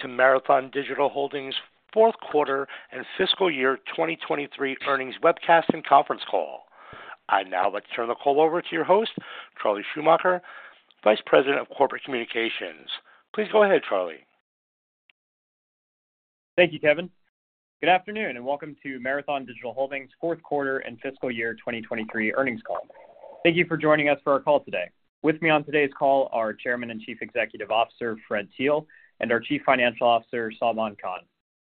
... to Marathon Digital Holdings' fourth quarter and fiscal year 2023 earnings webcast and conference call. I now would like to turn the call over to your host, Charlie Schumacher, Vice President of Corporate Communications. Please go ahead, Charlie. Thank you, Kevin. Good afternoon and welcome to Marathon Digital Holdings' fourth quarter and fiscal year 2023 earnings call. Thank you for joining us for our call today. With me on today's call are Chairman and Chief Executive Officer Fred Thiel and our Chief Financial Officer Salman Khan.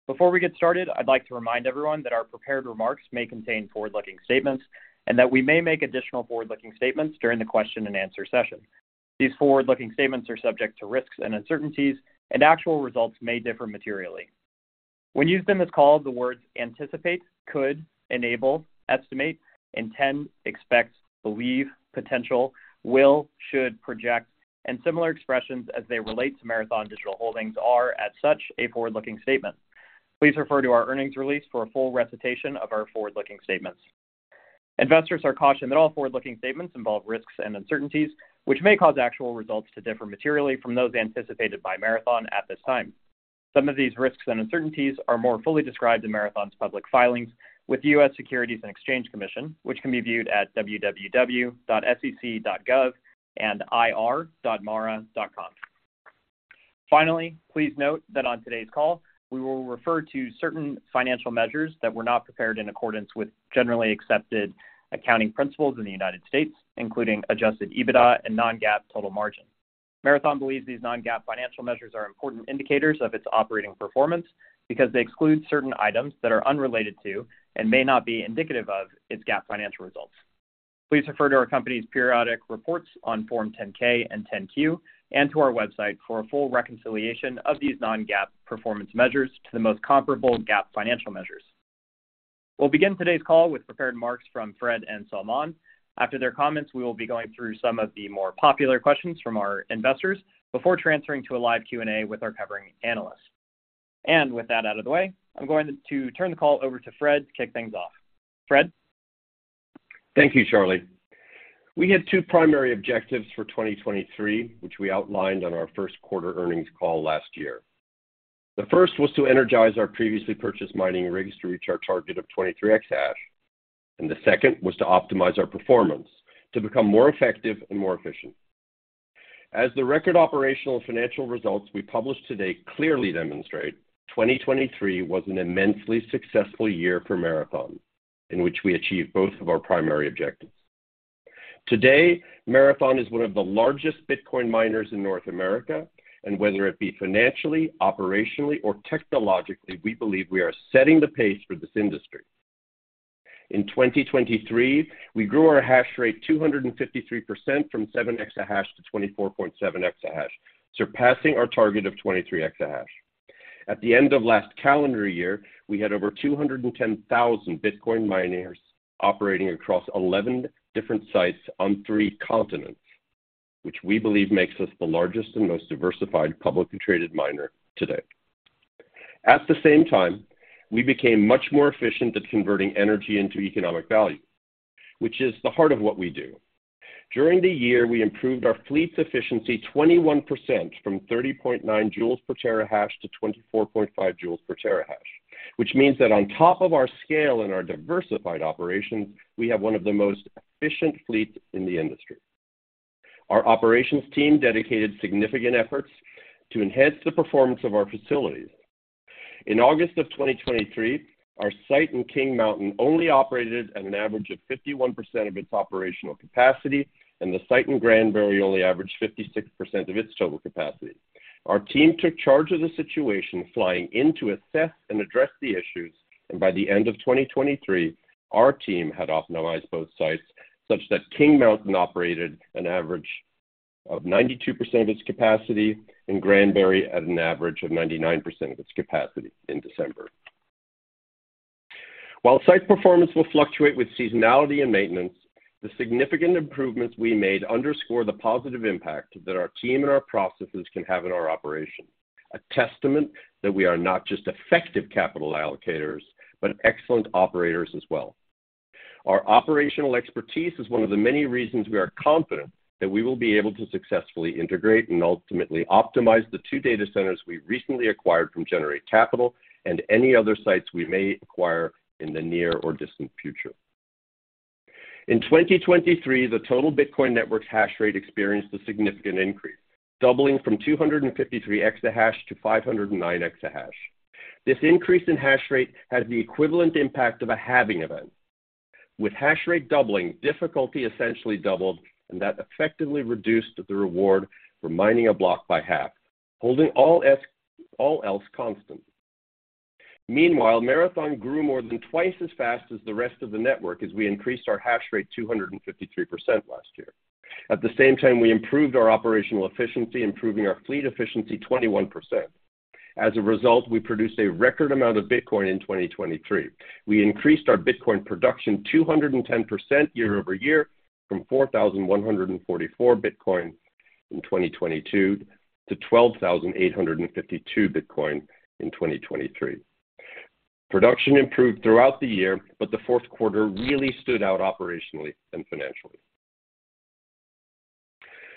Before we get started, I'd like to remind everyone that our prepared remarks may contain forward-looking statements and that we may make additional forward-looking statements during the question and answer session. These forward-looking statements are subject to risks and uncertainties, and actual results may differ materially. When used in this call, the words anticipate, could, enable, estimate, intend, expect, believe, potential, will, should, project, and similar expressions as they relate to Marathon Digital Holdings are, as such, a forward-looking statement. Please refer to our earnings release for a full recitation of our forward-looking statements. Investors are cautioned that all forward-looking statements involve risks and uncertainties, which may cause actual results to differ materially from those anticipated by Marathon at this time. Some of these risks and uncertainties are more fully described in Marathon's public filings with the U.S. Securities and Exchange Commission, which can be viewed at www.sec.gov and ir.mara.com. Finally, please note that on today's call, we will refer to certain financial measures that were not prepared in accordance with generally accepted accounting principles in the United States, including Adjusted EBITDA and non-GAAP Total Margin. Marathon believes these non-GAAP financial measures are important indicators of its operating performance because they exclude certain items that are unrelated to and may not be indicative of its GAAP financial results. Please refer to our company's periodic reports on Form 10-K and 10-Q and to our website for a full reconciliation of these non-GAAP performance measures to the most comparable GAAP financial measures. We'll begin today's call with prepared remarks from Fred and Salman. After their comments, we will be going through some of the more popular questions from our investors before transferring to a live Q&A with our covering analysts. And with that out of the way, I'm going to turn the call over to Fred to kick things off. Fred? Thank you, Charlie. We had two primary objectives for 2023, which we outlined on our first quarter earnings call last year. The first was to energize our previously purchased mining rigs to reach our target of 23 EH/s, and the second was to optimize our performance to become more effective and more efficient. As the record operational financial results we published today clearly demonstrate, 2023 was an immensely successful year for Marathon, in which we achieved both of our primary objectives. Today, Marathon is one of the largest Bitcoin miners in North America, and whether it be financially, operationally, or technologically, we believe we are setting the pace for this industry. In 2023, we grew our hash rate 253% from 7 EH/s to 24.7 EH/s, surpassing our target of 23 EH/s. At the end of last calendar year, we had over 210,000 Bitcoin miners operating across 11 different sites on three continents, which we believe makes us the largest and most diversified publicly traded miner today. At the same time, we became much more efficient at converting energy into economic value, which is the heart of what we do. During the year, we improved our fleet's efficiency 21% from 30.9 joules per terahash to 24.5 joules per terahash, which means that on top of our scale and our diversified operations, we have one of the most efficient fleets in the industry. Our operations team dedicated significant efforts to enhance the performance of our facilities. In August of 2023, our site in King Mountain only operated at an average of 51% of its operational capacity, and the site in Granbury only averaged 56% of its total capacity. Our team took charge of the situation, flying in to assess and address the issues, and by the end of 2023, our team had optimized both sites such that King Mountain operated an average of 92% of its capacity and Granbury at an average of 99% of its capacity in December. While site performance will fluctuate with seasonality and maintenance, the significant improvements we made underscore the positive impact that our team and our processes can have in our operation, a testament that we are not just effective capital allocators but excellent operators as well. Our operational expertise is one of the many reasons we are confident that we will be able to successfully integrate and ultimately optimize the two data centers we recently acquired from Generate Capital and any other sites we may acquire in the near or distant future. In 2023, the total Bitcoin network's hash rate experienced a significant increase, doubling from 253 EH/s to 509 EH/s. This increase in hash rate has the equivalent impact of a halving event. With hash rate doubling, difficulty essentially doubled, and that effectively reduced the reward for mining a block by half, holding all else constant. Meanwhile, Marathon grew more than twice as fast as the rest of the network as we increased our hash rate 253% last year. At the same time, we improved our operational efficiency, improving our fleet efficiency 21%. As a result, we produced a record amount of Bitcoin in 2023. We increased our Bitcoin production 210% year-over-year from 4,144 Bitcoin in 2022 to 12,852 Bitcoin in 2023. Production improved throughout the year, but the fourth quarter really stood out operationally and financially.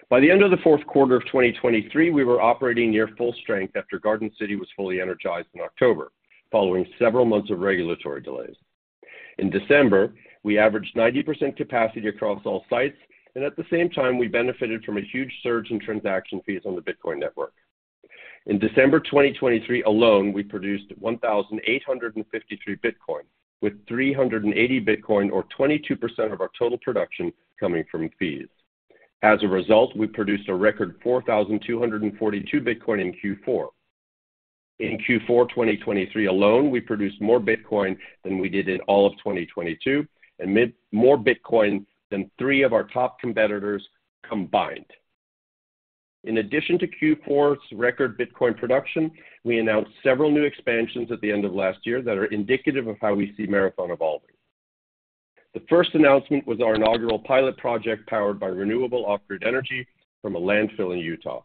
By the end of the fourth quarter of 2023, we were operating near full strength after Garden City was fully energized in October, following several months of regulatory delays. In December, we averaged 90% capacity across all sites, and at the same time, we benefited from a huge surge in transaction fees on the Bitcoin network. In December 2023 alone, we produced 1,853 Bitcoin, with 380 Bitcoin, or 22% of our total production, coming from fees. As a result, we produced a record 4,242 Bitcoin in Q4. In Q4 2023 alone, we produced more Bitcoin than we did in all of 2022 and more Bitcoin than three of our top competitors combined. In addition to Q4's record Bitcoin production, we announced several new expansions at the end of last year that are indicative of how we see Marathon evolving. The first announcement was our inaugural pilot project powered by renewable off-grid energy from a landfill in Utah.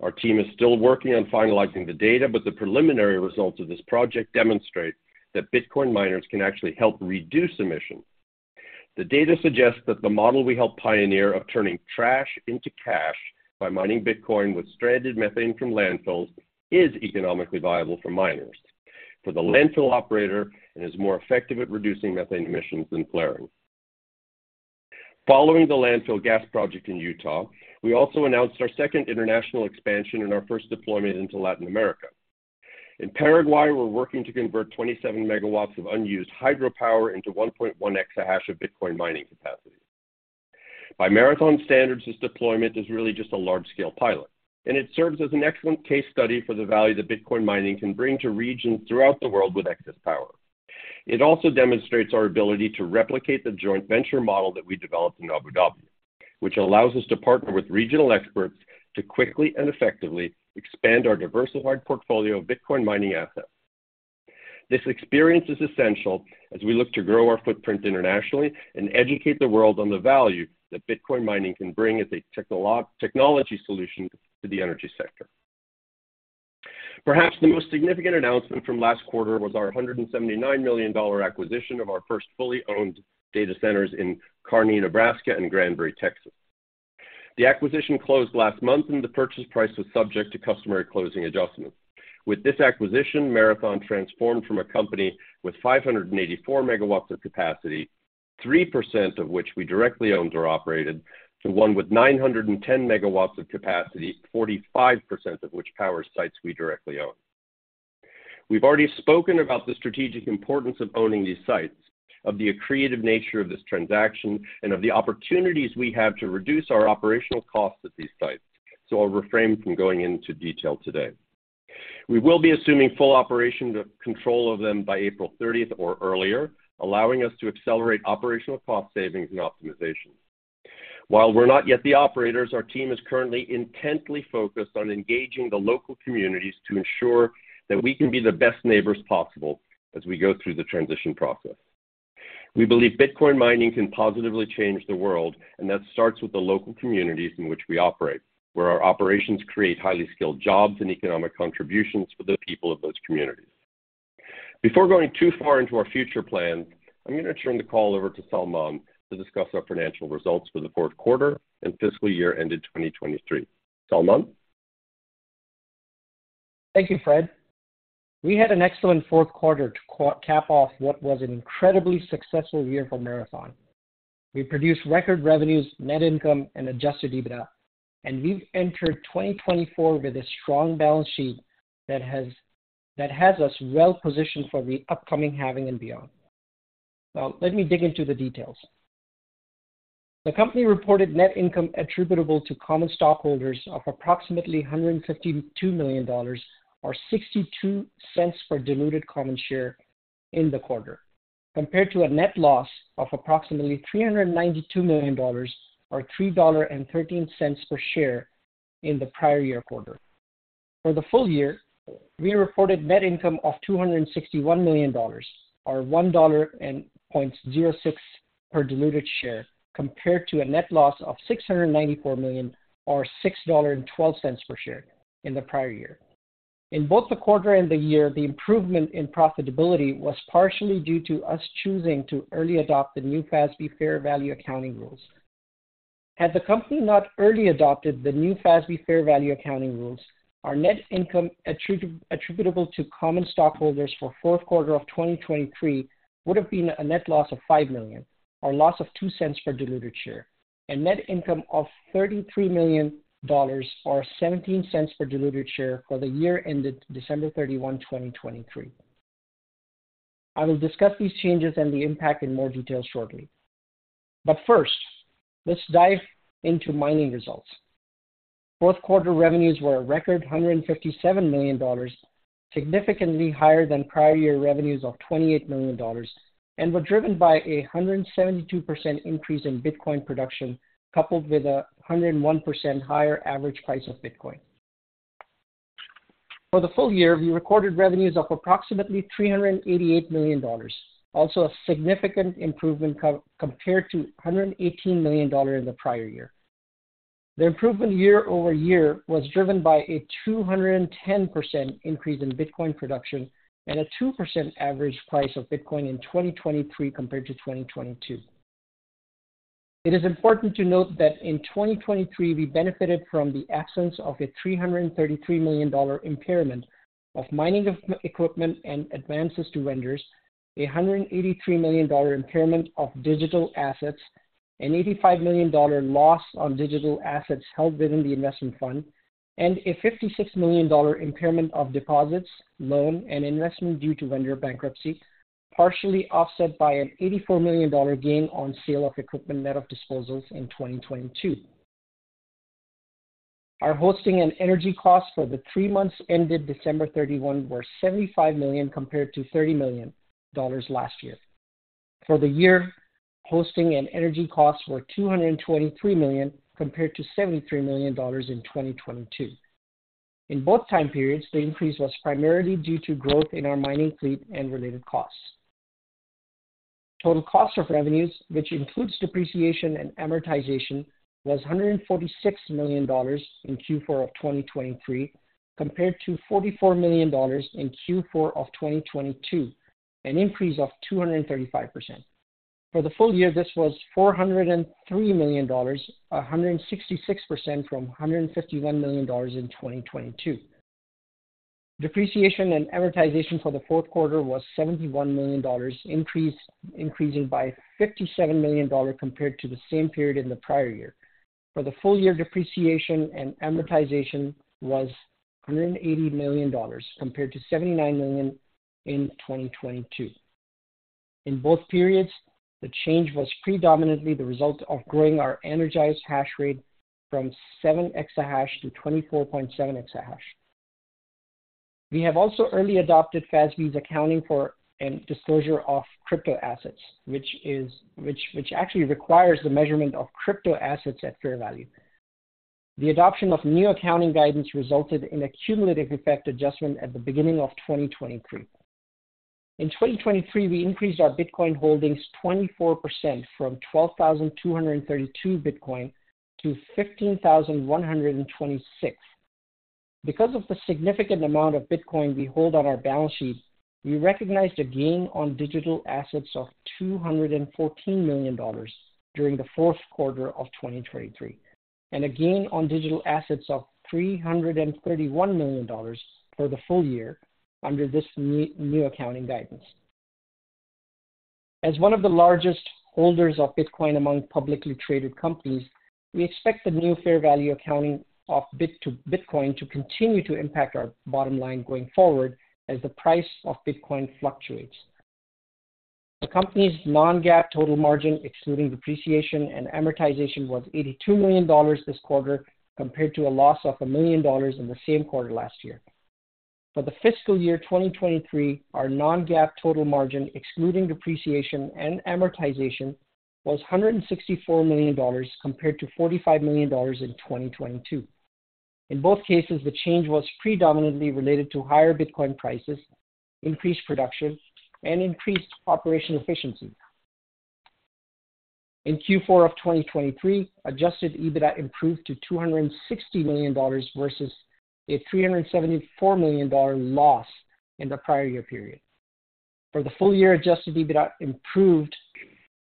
Our team is still working on finalizing the data, but the preliminary results of this project demonstrate that Bitcoin miners can actually help reduce emissions. The data suggests that the model we helped pioneer of turning trash into cash by mining Bitcoin with stranded methane from landfills is economically viable for miners, for the landfill operator, and is more effective at reducing methane emissions than flaring. Following the landfill gas project in Utah, we also announced our second international expansion and our first deployment into Latin America. In Paraguay, we're working to convert 27 MW of unused hydropower into 1.1 EH/s of Bitcoin mining capacity. By Marathon standards, this deployment is really just a large-scale pilot, and it serves as an excellent case study for the value that Bitcoin mining can bring to regions throughout the world with excess power. It also demonstrates our ability to replicate the joint venture model that we developed in Abu Dhabi, which allows us to partner with regional experts to quickly and effectively expand our diversified portfolio of Bitcoin mining assets. This experience is essential as we look to grow our footprint internationally and educate the world on the value that Bitcoin mining can bring as a technology solution to the energy sector. Perhaps the most significant announcement from last quarter was our $179 million acquisition of our first fully owned data centers in Kearney, Nebraska, and Granbury, Texas. The acquisition closed last month, and the purchase price was subject to customary closing adjustments. With this acquisition, Marathon transformed from a company with 584 MW of capacity, 3% of which we directly owned or operated, to one with 910 MW of capacity, 45% of which powers sites we directly own. We've already spoken about the strategic importance of owning these sites, of the creative nature of this transaction, and of the opportunities we have to reduce our operational costs at these sites, so I'll refrain from going into detail today. We will be assuming full operational control of them by April 30th or earlier, allowing us to accelerate operational cost savings and optimization. While we're not yet the operators, our team is currently intently focused on engaging the local communities to ensure that we can be the best neighbors possible as we go through the transition process. We believe Bitcoin mining can positively change the world, and that starts with the local communities in which we operate, where our operations create highly skilled jobs and economic contributions for the people of those communities. Before going too far into our future plans, I'm going to turn the call over to Salman to discuss our financial results for the fourth quarter and fiscal year ended 2023. Salman? Thank you, Fred. We had an excellent fourth quarter to cap off what was an incredibly successful year for Marathon. We produced record revenues, net income, and adjusted EBITDA, and we've entered 2024 with a strong balance sheet that has us well positioned for the upcoming halving and beyond. Now, let me dig into the details. The company reported net income attributable to common stockholders of approximately $152 million or $0.62 per diluted common share in the quarter, compared to a net loss of approximately $392 million or $3.13 per share in the prior year quarter. For the full year, we reported net income of $261 million or $1.06 per diluted share, compared to a net loss of $694 million or $6.12 per share in the prior year. In both the quarter and the year, the improvement in profitability was partially due to us choosing to early adopt the new FASB fair value accounting rules. Had the company not early adopted the new FASB fair value accounting rules, our net income attributable to common stockholders for the fourth quarter of 2023 would have been a net loss of $5 million or a loss of $0.02 per diluted share, and net income of $33 million or $0.17 per diluted share for the year ended December 31, 2023. I will discuss these changes and the impact in more detail shortly. But first, let's dive into mining results. Fourth quarter revenues were a record $157 million, significantly higher than prior year revenues of $28 million, and were driven by a 172% increase in Bitcoin production coupled with a 101% higher average price of Bitcoin. For the full year, we recorded revenues of approximately $388 million, also a significant improvement compared to $118 million in the prior year. The improvement year-over-year was driven by a 210% increase in Bitcoin production and a 2% average price of Bitcoin in 2023 compared to 2022. It is important to note that in 2023, we benefited from the absence of a $333 million impairment of mining equipment and advances to vendors, a $183 million impairment of digital assets, an $85 million loss on digital assets held within the investment fund, and a $56 million impairment of deposits, loan, and investment due to vendor bankruptcy, partially offset by an $84 million gain on sale of equipment net of disposals in 2022. Our hosting and energy costs for the three months ended December 31 were $75 million compared to $30 million last year. For the year, hosting and energy costs were $223 million compared to $73 million in 2022. In both time periods, the increase was primarily due to growth in our mining fleet and related costs. Total cost of revenues, which includes depreciation and amortization, was $146 million in Q4 of 2023 compared to $44 million in Q4 of 2022, an increase of 235%. For the full year, this was $403 million, 166% from $151 million in 2022. Depreciation and amortization for the fourth quarter was $71 million, increasing by $57 million compared to the same period in the prior year. For the full year, depreciation and amortization was $180 million compared to $79 million in 2022. In both periods, the change was predominantly the result of growing our energized hash rate from 7 EH/s to 24.7 EH/s. We have also early adopted FASB's accounting for and disclosure of crypto assets, which actually requires the measurement of crypto assets at fair value. The adoption of new accounting guidance resulted in a cumulative effect adjustment at the beginning of 2023. In 2023, we increased our Bitcoin holdings 24% from 12,232 Bitcoin to 15,126. Because of the significant amount of Bitcoin we hold on our balance sheet, we recognized a gain on digital assets of $214 million during the fourth quarter of 2023 and a gain on digital assets of $331 million for the full year under this new accounting guidance. As one of the largest holders of Bitcoin among publicly traded companies, we expect the new fair value accounting of Bitcoin to continue to impact our bottom line going forward as the price of Bitcoin fluctuates. The company's non-GAAP total margin, excluding depreciation and amortization, was $82 million this quarter compared to a loss of $1 million in the same quarter last year. For the fiscal year 2023, our non-GAAP total margin, excluding depreciation and amortization, was $164 million compared to $45 million in 2022. In both cases, the change was predominantly related to higher Bitcoin prices, increased production, and increased operational efficiency. In Q4 of 2023, adjusted EBITDA improved to $260 million versus a $374 million loss in the prior year period. For the full year, adjusted EBITDA improved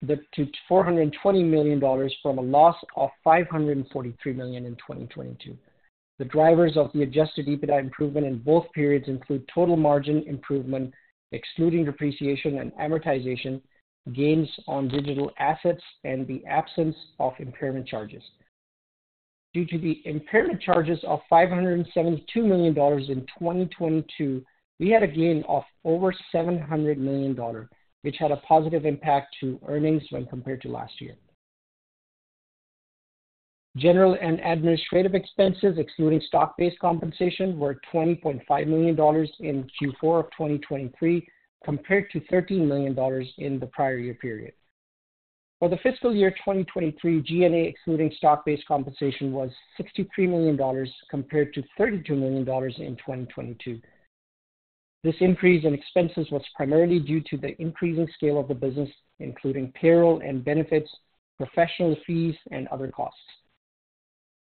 to $420 million from a loss of $543 million in 2022. The drivers of the adjusted EBITDA improvement in both periods include total margin improvement, excluding depreciation and amortization, gains on digital assets, and the absence of impairment charges. Due to the impairment charges of $572 million in 2022, we had a gain of over $700 million, which had a positive impact to earnings when compared to last year. General and administrative expenses, excluding stock-based compensation, were $20.5 million in Q4 of 2023 compared to $13 million in the prior year period. For the fiscal year 2023, G&A excluding stock-based compensation was $63 million compared to $32 million in 2022. This increase in expenses was primarily due to the increasing scale of the business, including payroll and benefits, professional fees, and other costs.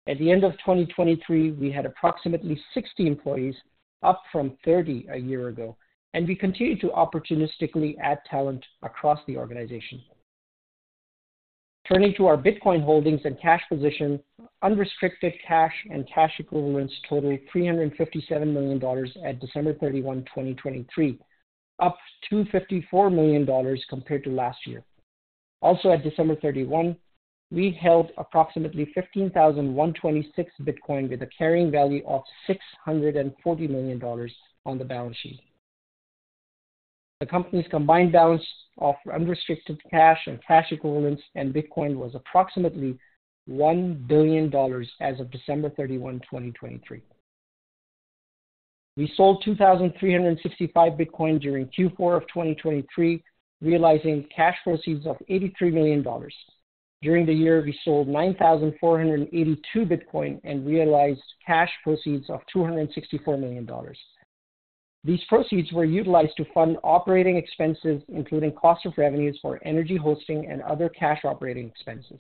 At the end of 2023, we had approximately 60 employees, up from 30 a year ago, and we continue to opportunistically add talent across the organization. Turning to our Bitcoin holdings and cash position, unrestricted cash and cash equivalents totaled $357 million at December 31, 2023, up $254 million compared to last year. Also, at December 31, we held approximately 15,126 Bitcoin with a carrying value of $640 million on the balance sheet. The company's combined balance of unrestricted cash and cash equivalents and Bitcoin was approximately $1 billion as of December 31, 2023. We sold 2,365 Bitcoin during Q4 of 2023, realizing cash proceeds of $83 million. During the year, we sold 9,482 Bitcoin and realized cash proceeds of $264 million. These proceeds were utilized to fund operating expenses, including cost of revenues for energy hosting and other cash operating expenses.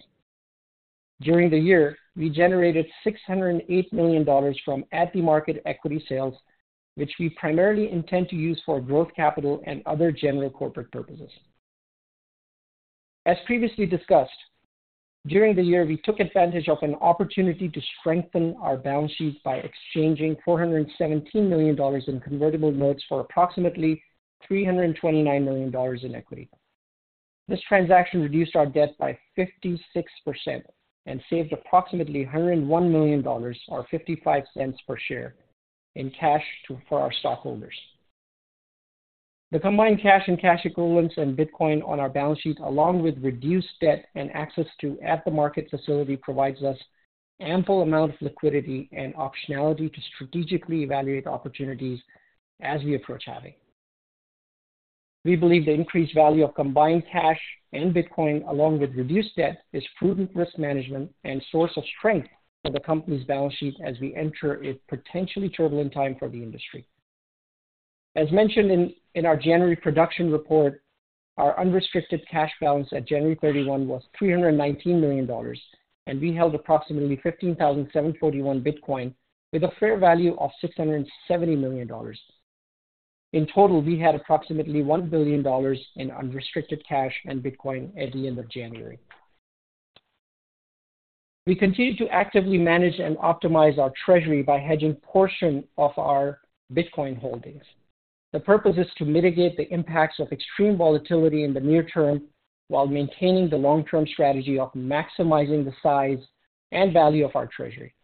During the year, we generated $608 million from at-the-market equity sales, which we primarily intend to use for growth capital and other general corporate purposes. As previously discussed, during the year, we took advantage of an opportunity to strengthen our balance sheet by exchanging $417 million in convertible notes for approximately $329 million in equity. This transaction reduced our debt by 56% and saved approximately $101 million or $0.55 per share in cash for our stockholders. The combined cash and cash equivalents and Bitcoin on our balance sheet, along with reduced debt and access to at-the-market facility, provides us an ample amount of liquidity and optionality to strategically evaluate opportunities as we approach halving. We believe the increased value of combined cash and Bitcoin, along with reduced debt, is prudent risk management and a source of strength for the company's balance sheet as we enter a potentially turbulent time for the industry. As mentioned in our January production report, our unrestricted cash balance at January 31 was $319 million, and we held approximately 15,741 Bitcoin with a fair value of $670 million. In total, we had approximately $1 billion in unrestricted cash and Bitcoin at the end of January. We continue to actively manage and optimize our treasury by hedging a portion of our Bitcoin holdings. The purpose is to mitigate the impacts of extreme volatility in the near term while maintaining the long-term strategy of maximizing the size and value of our treasury.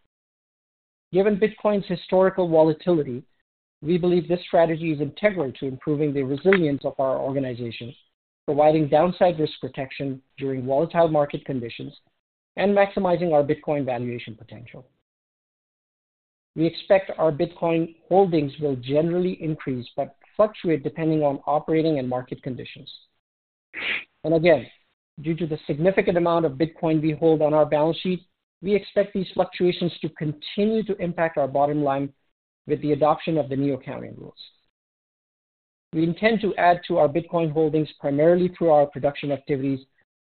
Given Bitcoin's historical volatility, we believe this strategy is integral to improving the resilience of our organization, providing downside risk protection during volatile market conditions, and maximizing our Bitcoin valuation potential. We expect our Bitcoin holdings will generally increase but fluctuate depending on operating and market conditions. Again, due to the significant amount of Bitcoin we hold on our balance sheet, we expect these fluctuations to continue to impact our bottom line with the adoption of the new accounting rules. We intend to add to our Bitcoin holdings primarily through our production activities,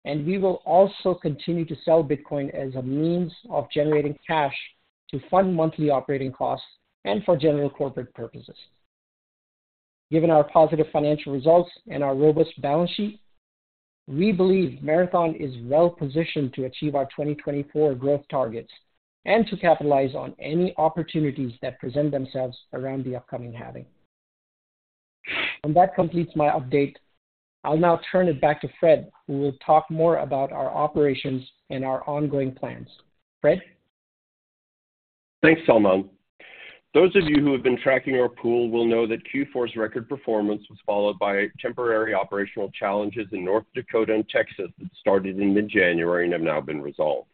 and we will also continue to sell Bitcoin as a means of generating cash to fund monthly operating costs and for general corporate purposes. Given our positive financial results and our robust balance sheet, we believe Marathon is well positioned to achieve our 2024 growth targets and to capitalize on any opportunities that present themselves around the upcoming halving. That completes my update. I'll now turn it back to Fred, who will talk more about our operations and our ongoing plans. Fred? Thanks, Salman. Those of you who have been tracking our pool will know that Q4's record performance was followed by temporary operational challenges in North Dakota and Texas that started in mid-January and have now been resolved.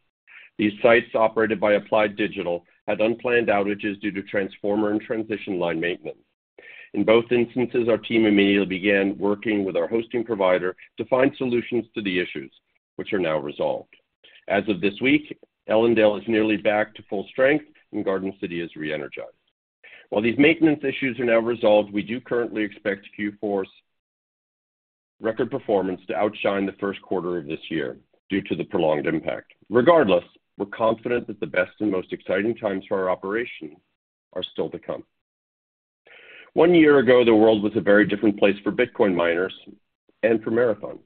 These sites, operated by Applied Digital, had unplanned outages due to transformer and transition line maintenance. In both instances, our team immediately began working with our hosting provider to find solutions to the issues, which are now resolved. As of this week, Ellendale is nearly back to full strength, and Garden City is re-energized. While these maintenance issues are now resolved, we do currently expect Q4's record performance to outshine the first quarter of this year due to the prolonged impact. Regardless, we're confident that the best and most exciting times for our operations are still to come. One year ago, the world was a very different place for Bitcoin miners and for Marathon.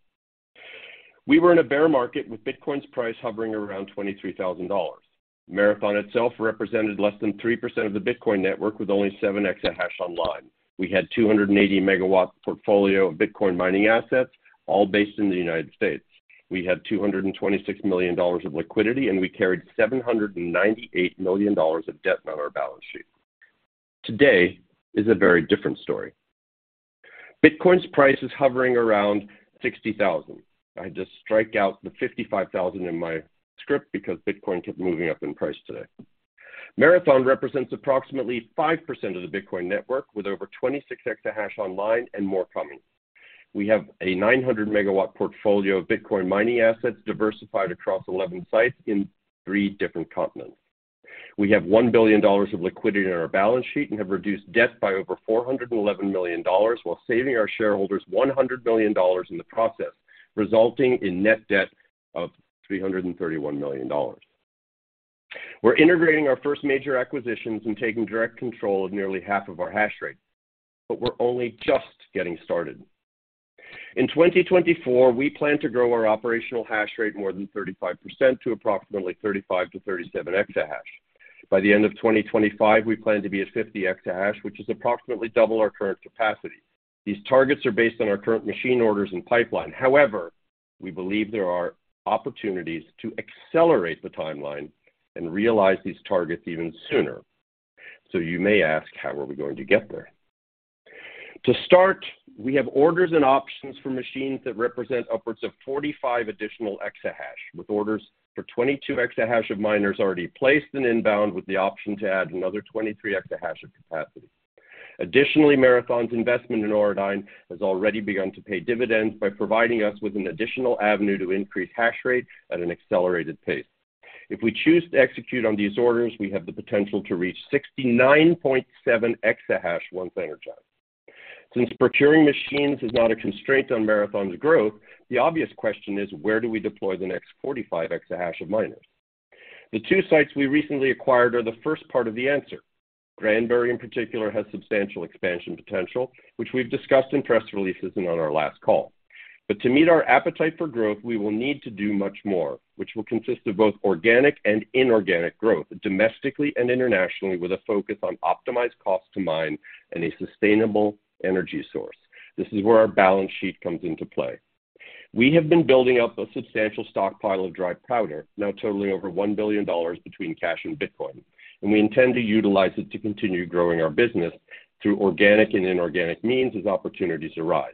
We were in a bear market with Bitcoin's price hovering around $23,000. Marathon itself represented less than 3% of the Bitcoin network with only 7 EH/s online. We had a 280 MW portfolio of Bitcoin mining assets, all based in the United States. We had $226 million of liquidity, and we carried $798 million of debt on our balance sheet. Today is a very different story. Bitcoin's price is hovering around $60,000. I just strike out the $55,000 in my script because Bitcoin kept moving up in price today. Marathon represents approximately 5% of the Bitcoin network with over 26 EH/s online and more coming. We have a 900 MW portfolio of Bitcoin mining assets diversified across 11 sites in three different continents. We have $1 billion of liquidity in our balance sheet and have reduced debt by over $411 million while saving our shareholders $100 million in the process, resulting in net debt of $331 million. We're integrating our first major acquisitions and taking direct control of nearly half of our hash rate, but we're only just getting started. In 2024, we plan to grow our operational hash rate more than 35% to approximately 35 EH/s-37 EH/s. By the end of 2025, we plan to be at 50 EH/s, which is approximately double our current capacity. These targets are based on our current machine orders and pipeline. However, we believe there are opportunities to accelerate the timeline and realize these targets even sooner. So you may ask, how are we going to get there? To start, we have orders and options for machines that represent upwards of 45 additional EH/s, with orders for 22 EH/s of miners already placed and inbound with the option to add another 23 EH/s of capacity. Additionally, Marathon's investment in Auradine has already begun to pay dividends by providing us with an additional avenue to increase hash rate at an accelerated pace. If we choose to execute on these orders, we have the potential to reach 69.7 EH/s once energized. Since procuring machines is not a constraint on Marathon's growth, the obvious question is, where do we deploy the next 45 EH/s of miners? The two sites we recently acquired are the first part of the answer. Granbury, in particular, has substantial expansion potential, which we've discussed in press releases and on our last call. But to meet our appetite for growth, we will need to do much more, which will consist of both organic and inorganic growth domestically and internationally, with a focus on optimized cost to mine and a sustainable energy source. This is where our balance sheet comes into play. We have been building up a substantial stockpile of dry powder, now totaling over $1 billion between cash and Bitcoin, and we intend to utilize it to continue growing our business through organic and inorganic means as opportunities arise.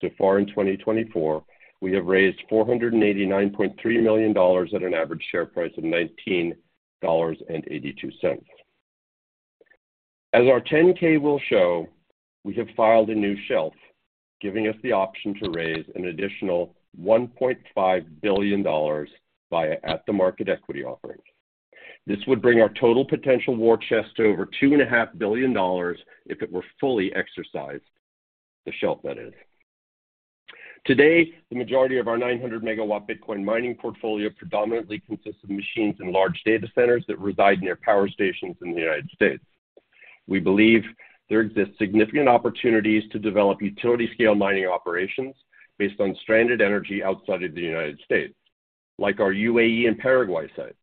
So far in 2024, we have raised $489.3 million at an average share price of $19.82. As our 10-K will show, we have filed a new shelf, giving us the option to raise an additional $1.5 billion via at-the-market equity offering. This would bring our total potential war chest to over $2.5 billion if it were fully exercised, the shelf that is. Today, the majority of our 900 MW Bitcoin mining portfolio predominantly consists of machines and large data centers that reside near power stations in the United States. We believe there exist significant opportunities to develop utility-scale mining operations based on stranded energy outside of the United States, like our U.A.E. and Paraguay sites.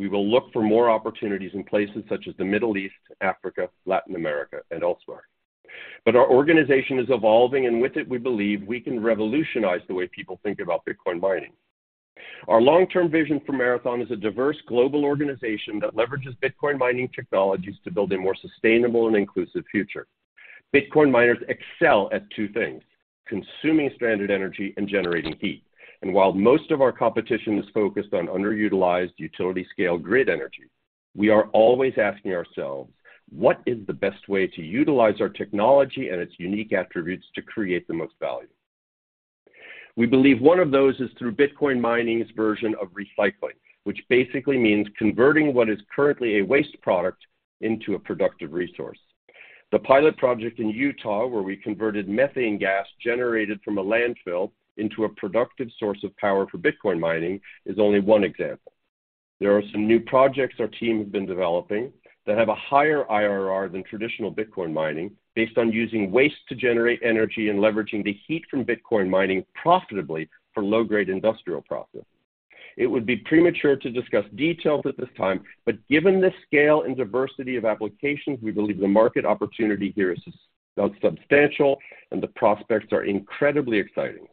We will look for more opportunities in places such as the Middle East, Africa, Latin America, and elsewhere. But our organization is evolving, and with it, we believe we can revolutionize the way people think about Bitcoin mining. Our long-term vision for Marathon is a diverse global organization that leverages Bitcoin mining technologies to build a more sustainable and inclusive future. Bitcoin miners excel at two things: consuming stranded energy and generating heat. While most of our competition is focused on underutilized utility-scale grid energy, we are always asking ourselves, what is the best way to utilize our technology and its unique attributes to create the most value? We believe one of those is through Bitcoin mining's version of recycling, which basically means converting what is currently a waste product into a productive resource. The pilot project in Utah, where we converted methane gas generated from a landfill into a productive source of power for Bitcoin mining, is only one example. There are some new projects our team has been developing that have a higher IRR than traditional Bitcoin mining, based on using waste to generate energy and leveraging the heat from Bitcoin mining profitably for low-grade industrial processes. It would be premature to discuss details at this time, but given the scale and diversity of applications, we believe the market opportunity here is substantial, and the prospects are incredibly exciting.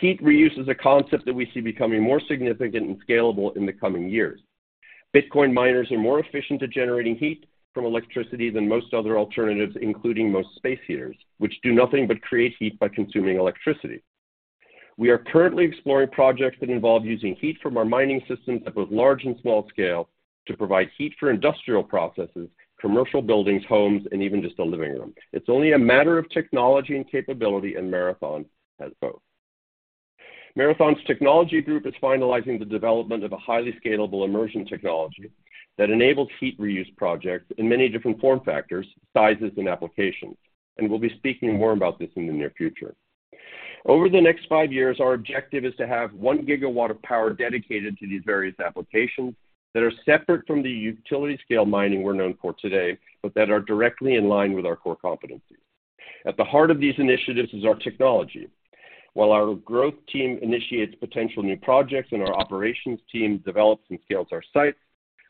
Heat reuse is a concept that we see becoming more significant and scalable in the coming years. Bitcoin miners are more efficient at generating heat from electricity than most other alternatives, including most space heaters, which do nothing but create heat by consuming electricity. We are currently exploring projects that involve using heat from our mining systems at both large and small scale to provide heat for industrial processes, commercial buildings, homes, and even just a living room. It's only a matter of technology and capability, and Marathon has both. Marathon's technology group is finalizing the development of a highly scalable immersion technology that enables heat reuse projects in many different form factors, sizes, and applications, and we'll be speaking more about this in the near future. Over the next five years, our objective is to have one gigawatt of power dedicated to these various applications that are separate from the utility-scale mining we're known for today, but that are directly in line with our core competencies. At the heart of these initiatives is our technology. While our growth team initiates potential new projects and our operations team develops and scales our sites,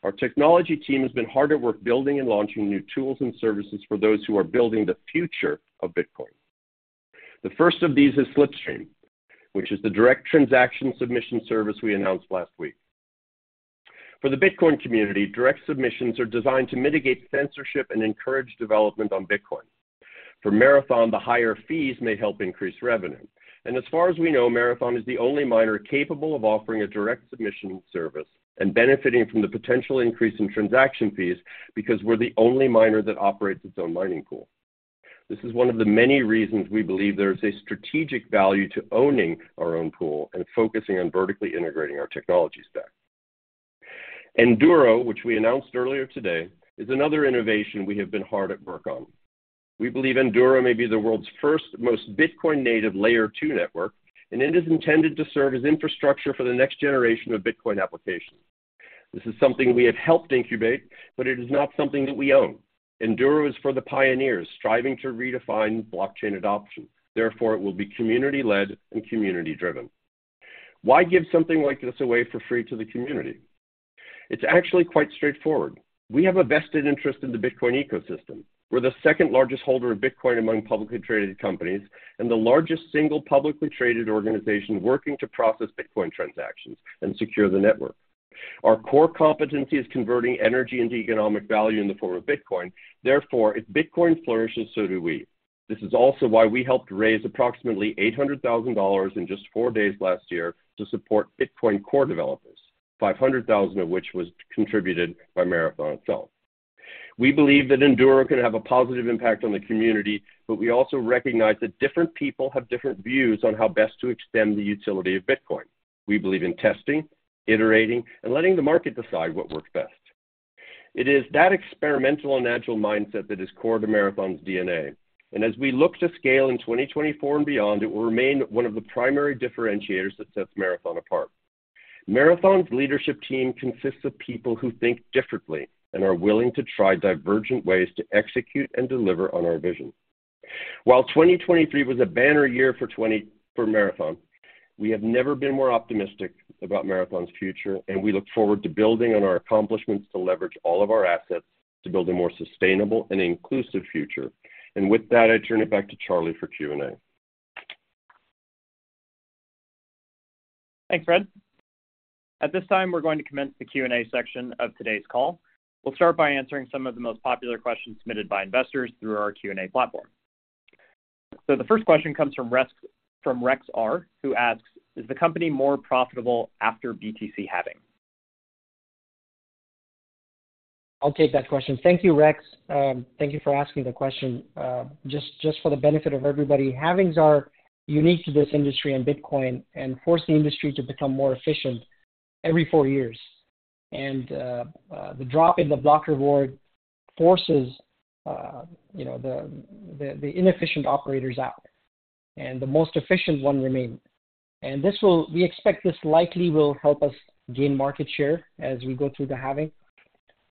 our technology team has been hard at work building and launching new tools and services for those who are building the future of Bitcoin. The first of these is Slipstream, which is the direct transaction submission service we announced last week. For the Bitcoin community, direct submissions are designed to mitigate censorship and encourage development on Bitcoin. For Marathon, the higher fees may help increase revenue. As far as we know, Marathon is the only miner capable of offering a direct submission service and benefiting from the potential increase in transaction fees because we're the only miner that operates its own mining pool. This is one of the many reasons we believe there is a strategic value to owning our own pool and focusing on vertically integrating our technology stack. Anduro, which we announced earlier today, is another innovation we have been hard at work on. We believe Anduro may be the world's first most Bitcoin-native Layer 2 network, and it is intended to serve as infrastructure for the next generation of Bitcoin applications. This is something we have helped incubate, but it is not something that we own. Anduro is for the pioneers striving to redefine blockchain adoption. Therefore, it will be community-led and community-driven. Why give something like this away for free to the community? It's actually quite straightforward. We have a vested interest in the Bitcoin ecosystem. We're the second largest holder of Bitcoin among publicly traded companies and the largest single publicly traded organization working to process Bitcoin transactions and secure the network. Our core competency is converting energy into economic value in the form of Bitcoin. Therefore, if Bitcoin flourishes, so do we. This is also why we helped raise approximately $800,000 in just four days last year to support Bitcoin core developers, $500,000 of which was contributed by Marathon itself. We believe that Anduro can have a positive impact on the community, but we also recognize that different people have different views on how best to extend the utility of Bitcoin. We believe in testing, iterating, and letting the market decide what works best. It is that experimental and agile mindset that is core to Marathon's DNA. As we look to scale in 2024 and beyond, it will remain one of the primary differentiators that sets Marathon apart. Marathon's leadership team consists of people who think differently and are willing to try divergent ways to execute and deliver on our vision. While 2023 was a banner year for Marathon, we have never been more optimistic about Marathon's future, and we look forward to building on our accomplishments to leverage all of our assets to build a more sustainable and inclusive future. With that, I turn it back to Charlie for Q&A. Thanks, Fred. At this time, we're going to commence the Q&A section of today's call. We'll start by answering some of the most popular questions submitted by investors through our Q&A platform. The first question comes from Rex R., who asks, "Is the company more profitable after BTC halving?" I'll take that question. Thank you, Rex. Thank you for asking the question. Just for the benefit of everybody, halvings are unique to this industry and Bitcoin and force the industry to become more efficient every four years. The drop in the block reward forces the inefficient operators out, and the most efficient one remain. We expect this likely will help us gain market share as we go through the halving.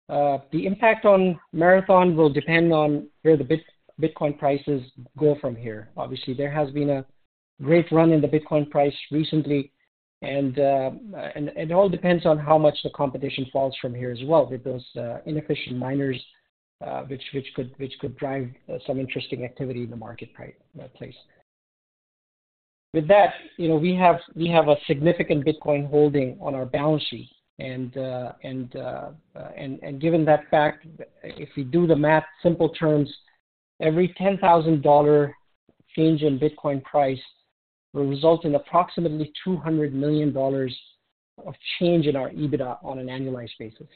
The impact on Marathon will depend on where the Bitcoin prices go from here. Obviously, there has been a great run in the Bitcoin price recently, and it all depends on how much the competition falls from here as well with those inefficient miners, which could drive some interesting activity in the marketplace. With that, we have a significant Bitcoin holding on our balance sheet. Given that fact, if we do the math, simple terms, every $10,000 change in Bitcoin price will result in approximately $200 million of change in our EBITDA on an annualized basis.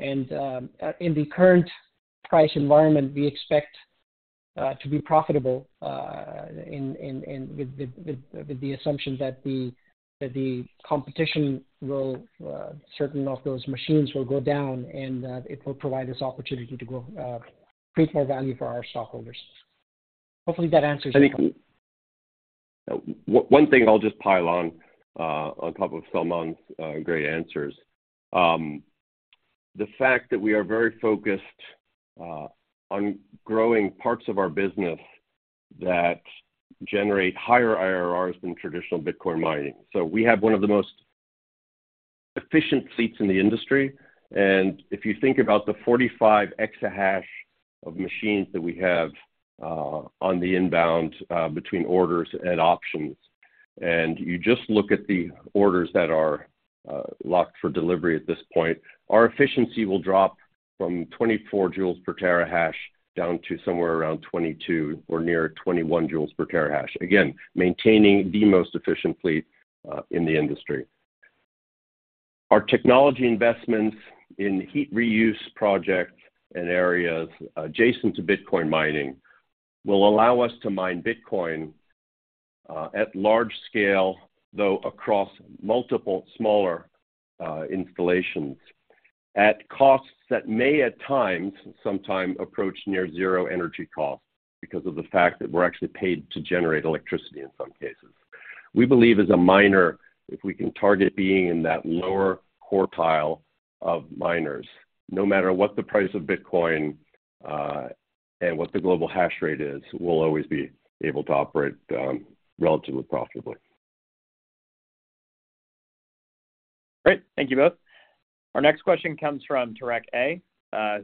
In the current price environment, we expect to be profitable with the assumption that the competition will certainly not those machines will go down, and it will provide us opportunity to create more value for our stockholders. Hopefully, that answers your question. One thing I'll just pile on top of Salman's great answers. The fact that we are very focused on growing parts of our business that generate higher IRRs than traditional Bitcoin mining. We have one of the most efficient fleets in the industry. If you think about the 45 EH/s of machines that we have on the inbound between orders and options, and you just look at the orders that are locked for delivery at this point, our efficiency will drop from 24 joules per terahash down to somewhere around 22 or near 21 joules per terahash, again, maintaining the most efficient fleet in the industry. Our technology investments in heat reuse projects and areas adjacent to Bitcoin mining will allow us to mine Bitcoin at large scale, though across multiple smaller installations, at costs that may at times approach near zero energy costs because of the fact that we're actually paid to generate electricity in some cases. We believe, as a miner, if we can target being in that lower quartile of miners, no matter what the price of Bitcoin and what the global hash rate is, we'll always be able to operate relatively profitably. Great. Thank you both. Our next question comes from Tarek A.,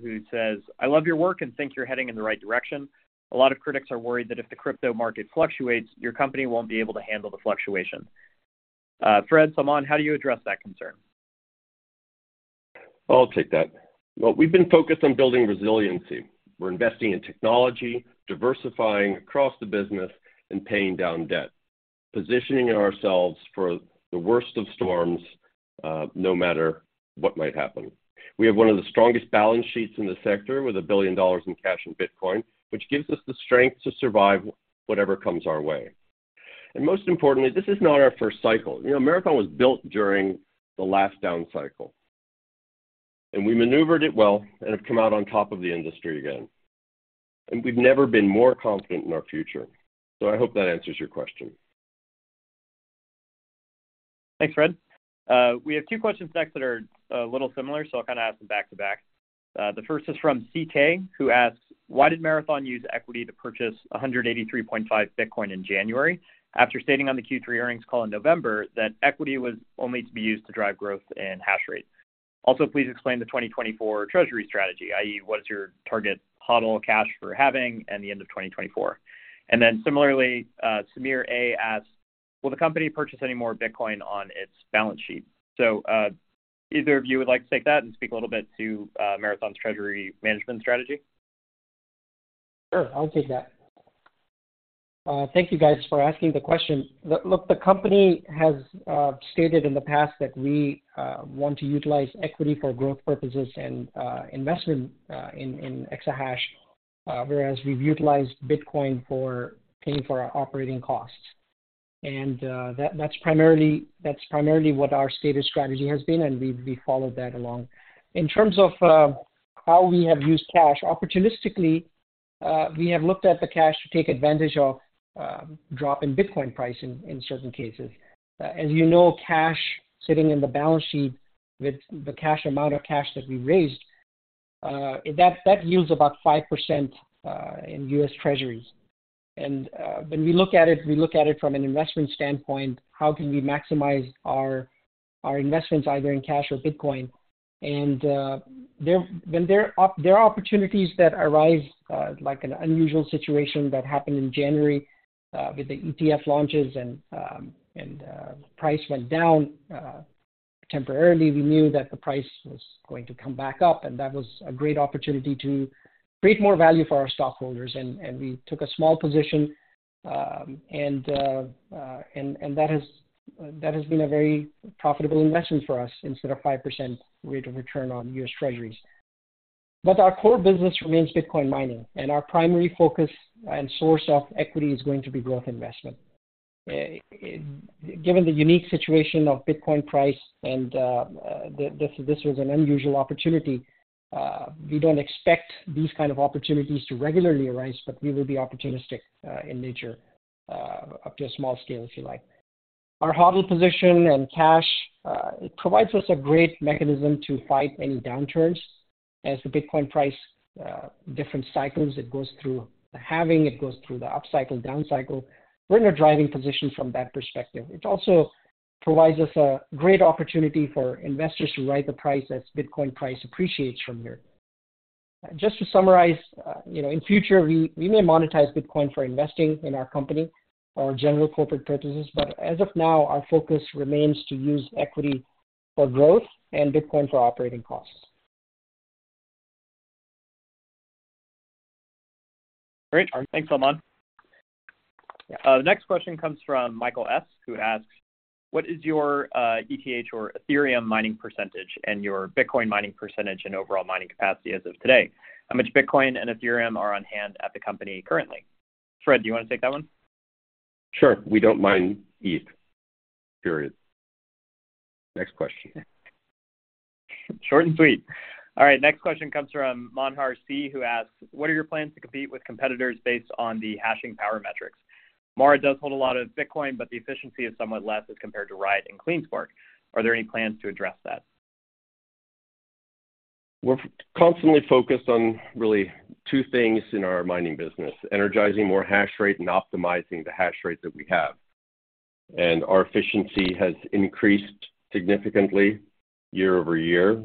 who says, "I love your work and think you're heading in the right direction. A lot of critics are worried that if the crypto market fluctuates, your company won't be able to handle the fluctuation." Fred, Salman, how do you address that concern? I'll take that. Well, we've been focused on building resiliency. We're investing in technology, diversifying across the business, and paying down debt, positioning ourselves for the worst of storms no matter what might happen. We have one of the strongest balance sheets in the sector with $1 billion in cash in Bitcoin, which gives us the strength to survive whatever comes our way. Most importantly, this is not our first cycle. Marathon was built during the last down cycle, and we maneuvered it well and have come out on top of the industry again. We've never been more confident in our future. I hope that answers your question. Thanks, Fred. We have two questions next that are a little similar, so I'll kind of ask them back to back. The first is from CK, who asks, "Why did Marathon use equity to purchase 183.5 Bitcoin in January after stating on the Q3 earnings call in November that equity was only to be used to drive growth in hash rate? Also, please explain the 2024 treasury strategy, i.e., what is your target HODL cash for halving and the end of 2024?" And then similarly, Samir A. asks, "Will the company purchase any more Bitcoin on its balance sheet?" So either of you would like to take that and speak a little bit to Marathon's treasury management strategy? Sure. I'll take that. Thank you, guys, for asking the question. Look, the company has stated in the past that we want to utilize equity for growth purposes and investment in exahash, whereas we've utilized Bitcoin for paying for our operating costs. And that's primarily what our stated strategy has been, and we follow that along. In terms of how we have used cash, opportunistically, we have looked at the cash to take advantage of drop in Bitcoin price in certain cases. As you know, cash sitting in the balance sheet with the cash amount of cash that we raised, that yields about 5% in U.S. Treasuries. And when we look at it, we look at it from an investment standpoint, how can we maximize our investments either in cash or Bitcoin? When there are opportunities that arise, like an unusual situation that happened in January with the ETF launches and price went down temporarily, we knew that the price was going to come back up, and that was a great opportunity to create more value for our stockholders. We took a small position, and that has been a very profitable investment for us instead of 5% rate of return on U.S. Treasuries. Our core business remains Bitcoin mining, and our primary focus and source of equity is going to be growth investment. Given the unique situation of Bitcoin price, and this was an unusual opportunity, we don't expect these kinds of opportunities to regularly arise, but we will be opportunistic in nature up to a small scale, if you like. Our HODL position and cash, it provides us a great mechanism to fight any downturns. As the Bitcoin price, different cycles, it goes through the halving, it goes through the upcycle, downcycle. We're in a driving position from that perspective. It also provides us a great opportunity for investors to ride the price as Bitcoin price appreciates from here. Just to summarize, in future, we may monetize Bitcoin for investing in our company or general corporate purposes. But as of now, our focus remains to use equity for growth and Bitcoin for operating costs. Great. Thanks, Salman. The next question comes from Michael S., who asks, "What is your ETH or Ethereum mining percentage and your Bitcoin mining percentage and overall mining capacity as of today? How much Bitcoin and Ethereum are on hand at the company currently?" Fred, do you want to take that one? Sure. We don't mine ETH, period. Next question. Short and sweet. All right. Next question comes from Manhar C., who asks, "What are your plans to compete with competitors based on the hashing power metrics? Mara does hold a lot of Bitcoin, but the efficiency is somewhat less as compared to Riot and CleanSpark. Are there any plans to address that? We're constantly focused on really two things in our mining business: energizing more hash rate and optimizing the hash rate that we have. Our efficiency has increased significantly year over year,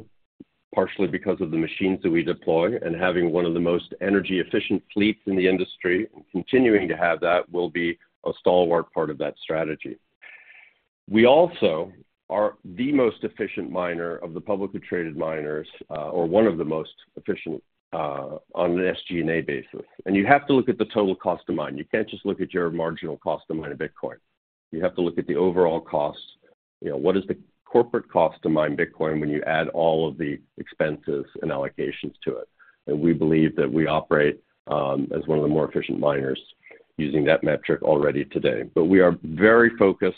partially because of the machines that we deploy and having one of the most energy-efficient fleets in the industry. Continuing to have that will be a stalwart part of that strategy. We also are the most efficient miner of the publicly traded miners or one of the most efficient on an SG&A basis. You have to look at the total cost to mine. You can't just look at your marginal cost to mine a Bitcoin. You have to look at the overall cost. What is the corporate cost to mine Bitcoin when you add all of the expenses and allocations to it? We believe that we operate as one of the more efficient miners using that metric already today. We are very focused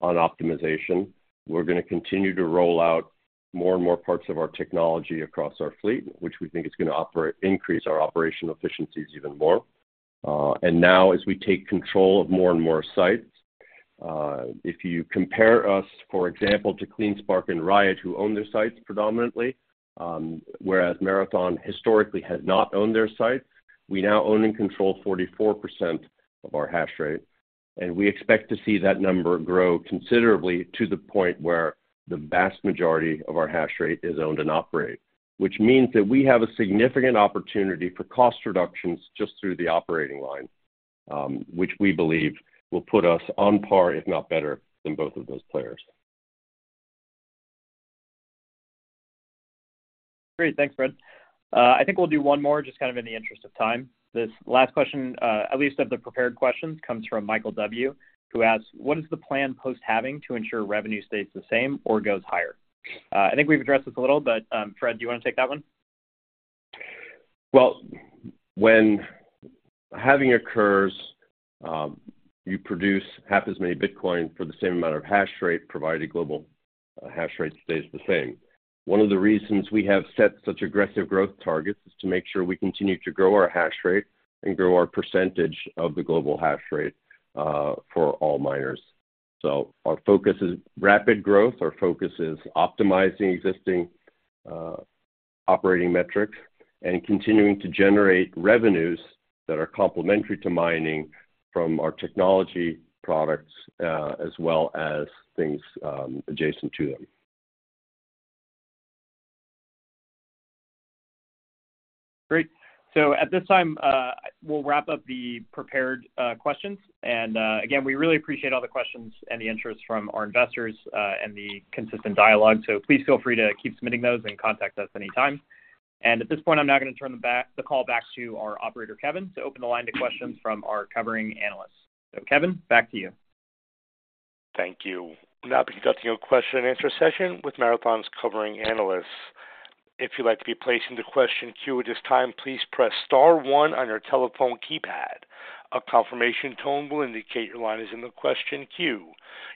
on optimization. We're going to continue to roll out more and more parts of our technology across our fleet, which we think is going to increase our operational efficiencies even more. Now, as we take control of more and more sites, if you compare us, for example, to CleanSpark and Riot, who own their sites predominantly, whereas Marathon historically has not owned their sites, we now own and control 44% of our hash rate. We expect to see that number grow considerably to the point where the vast majority of our hash rate is owned and operated, which means that we have a significant opportunity for cost reductions just through the operating line, which we believe will put us on par, if not better, than both of those players. Great. Thanks, Fred. I think we'll do one more just kind of in the interest of time. This last question, at least of the prepared questions, comes from Michael W., who asks, "What is the plan post-halving to ensure revenue stays the same or goes higher?" I think we've addressed this a little, but Fred, do you want to take that one? Well, when halving occurs, you produce half as many Bitcoin for the same amount of hash rate, provided global hash rate stays the same. One of the reasons we have set such aggressive growth targets is to make sure we continue to grow our hash rate and grow our percentage of the global hash rate for all miners. So our focus is rapid growth. Our focus is optimizing existing operating metrics and continuing to generate revenues that are complementary to mining from our technology products as well as things adjacent to them. Great. At this time, we'll wrap up the prepared questions. Again, we really appreciate all the questions and the interest from our investors and the consistent dialogue. Please feel free to keep submitting those and contact us anytime. At this point, I'm now going to turn the call back to our operator, Kevin, to open the line to questions from our covering analysts. Kevin, back to you. Thank you. Now, to conduct your question-and-answer session with Marathon's covering analysts. If you'd like to be placed in the question queue at this time, please press star one on your telephone keypad. A confirmation tone will indicate your line is in the question queue.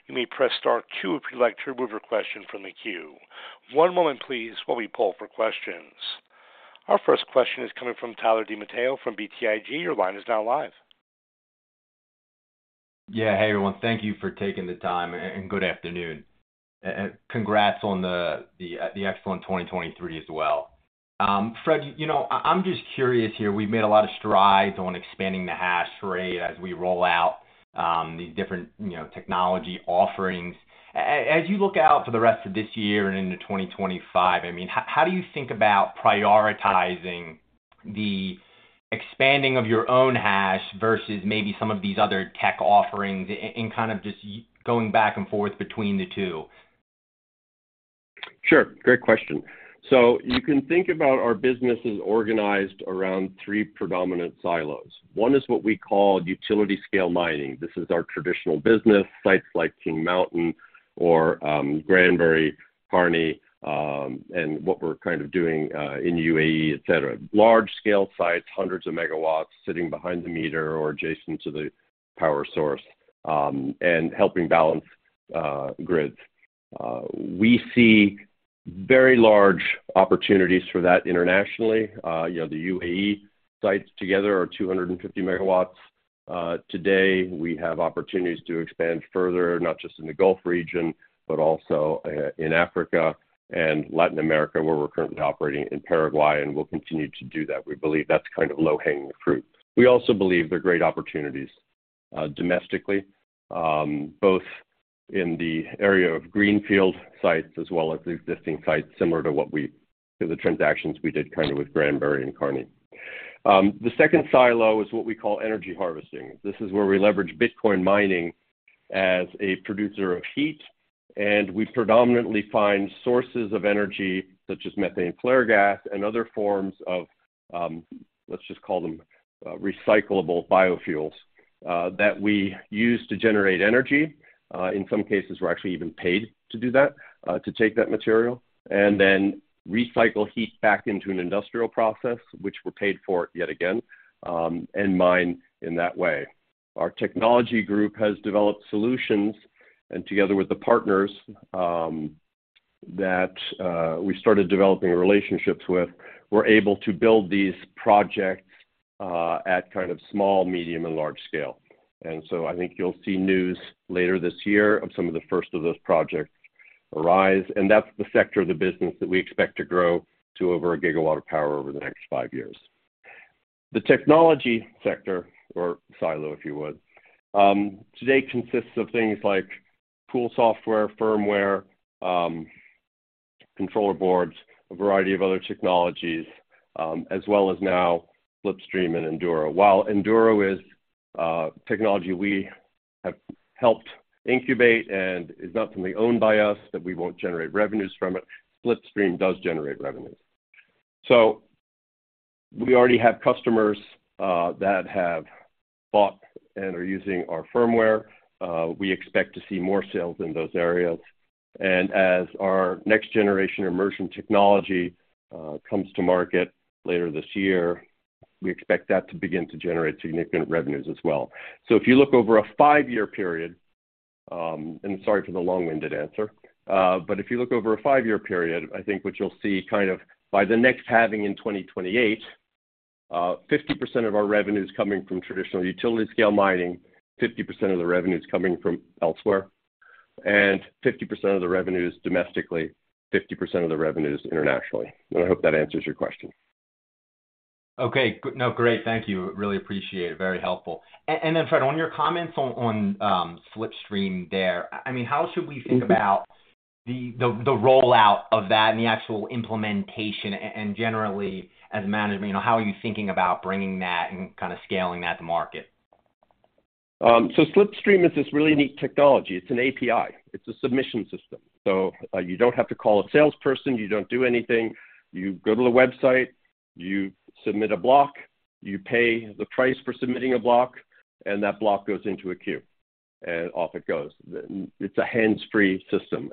You may press star two if you'd like to remove your question from the queue. One moment, please, while we pull for questions. Our first question is coming from Tyler DiMatteo from BTIG. Your line is now live. Yeah. Hey, everyone. Thank you for taking the time, and good afternoon. Congrats on the excellent 2023 as well. Fred, I'm just curious here. We've made a lot of strides on expanding the hash rate as we roll out these different technology offerings. As you look out for the rest of this year and into 2025, I mean, how do you think about prioritizing the expanding of your own hash versus maybe some of these other tech offerings and kind of just going back and forth between the two? Sure. Great question. So you can think about our business as organized around three predominant silos. One is what we call utility-scale mining. This is our traditional business, sites like King Mountain or Granbury, Kearney, and what we're kind of doing in U.A.E., etc. Large-scale sites, hundreds of megawatts sitting behind the meter or adjacent to the power source and helping balance grids. We see very large opportunities for that internationally. The U.A.E. sites together are 250 MW. Today, we have opportunities to expand further, not just in the Gulf region, but also in Africa and Latin America, where we're currently operating in Paraguay, and we'll continue to do that. We believe that's kind of low-hanging fruit. We also believe there are great opportunities domestically, both in the area of greenfield sites as well as the existing sites, similar to the transactions we did kind of with Granbury and Kearney. The second silo is what we call energy harvesting. This is where we leverage Bitcoin mining as a producer of heat. We predominantly find sources of energy, such as methane flare gas and other forms of, let's just call them, recyclable biofuels that we use to generate energy. In some cases, we're actually even paid to do that, to take that material and then recycle heat back into an industrial process, which we're paid for yet again, and mine in that way. Our technology group has developed solutions, and together with the partners that we started developing relationships with, we're able to build these projects at kind of small, medium, and large scale. I think you'll see news later this year of some of the first of those projects arise. And that's the sector of the business that we expect to grow to over a gigawatt of power over the next five years. The technology sector, or silo, if you would, today consists of things like pool software, firmware, controller boards, a variety of other technologies, as well as now Slipstream and Anduro. While Anduro is technology we have helped incubate and is not something owned by us that we won't generate revenues from it, Slipstream does generate revenues. So we already have customers that have bought and are using our firmware. We expect to see more sales in those areas. And as our next-generation immersion technology comes to market later this year, we expect that to begin to generate significant revenues as well. So if you look over a five-year period, and sorry for the long-winded answer. If you look over a five-year period, I think what you'll see kind of by the next halving in 2028, 50% of our revenue is coming from traditional utility-scale mining, 50% of the revenue is coming from elsewhere, and 50% of the revenue is domestically, 50% of the revenue is internationally. And I hope that answers your question. Okay. No, great. Thank you. Really appreciate it. Very helpful. And then, Fred, on your comments on Slipstream there, I mean, how should we think about the rollout of that and the actual implementation? And generally, as management, how are you thinking about bringing that and kind of scaling that to market? Slipstream is this really unique technology. It's an API. It's a submission system. You don't have to call a salesperson. You don't do anything. You go to the website. You submit a block. You pay the price for submitting a block, and that block goes into a queue, and off it goes. It's a hands-free system.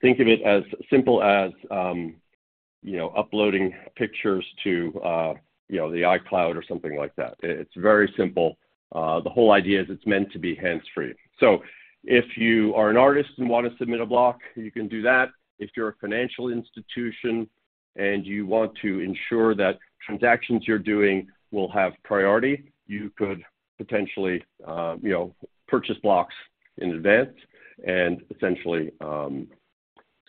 Think of it as simple as uploading pictures to the iCloud or something like that. It's very simple. The whole idea is it's meant to be hands-free. If you are an artist and want to submit a block, you can do that. If you're a financial institution and you want to ensure that transactions you're doing will have priority, you could potentially purchase blocks in advance and essentially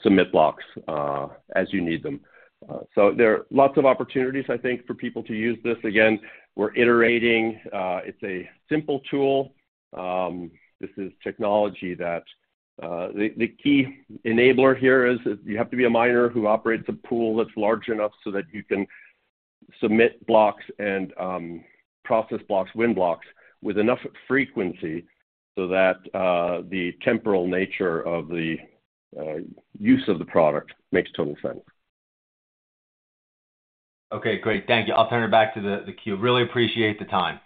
submit blocks as you need them. There are lots of opportunities, I think, for people to use this. Again, we're iterating. It's a simple tool. This is technology that the key enabler here is you have to be a miner who operates a pool that's large enough so that you can submit blocks and process blocks, win blocks, with enough frequency so that the temporal nature of the use of the product makes total sense. Okay. Great. Thank you. I'll turn it back to the queue. Really appreciate the time.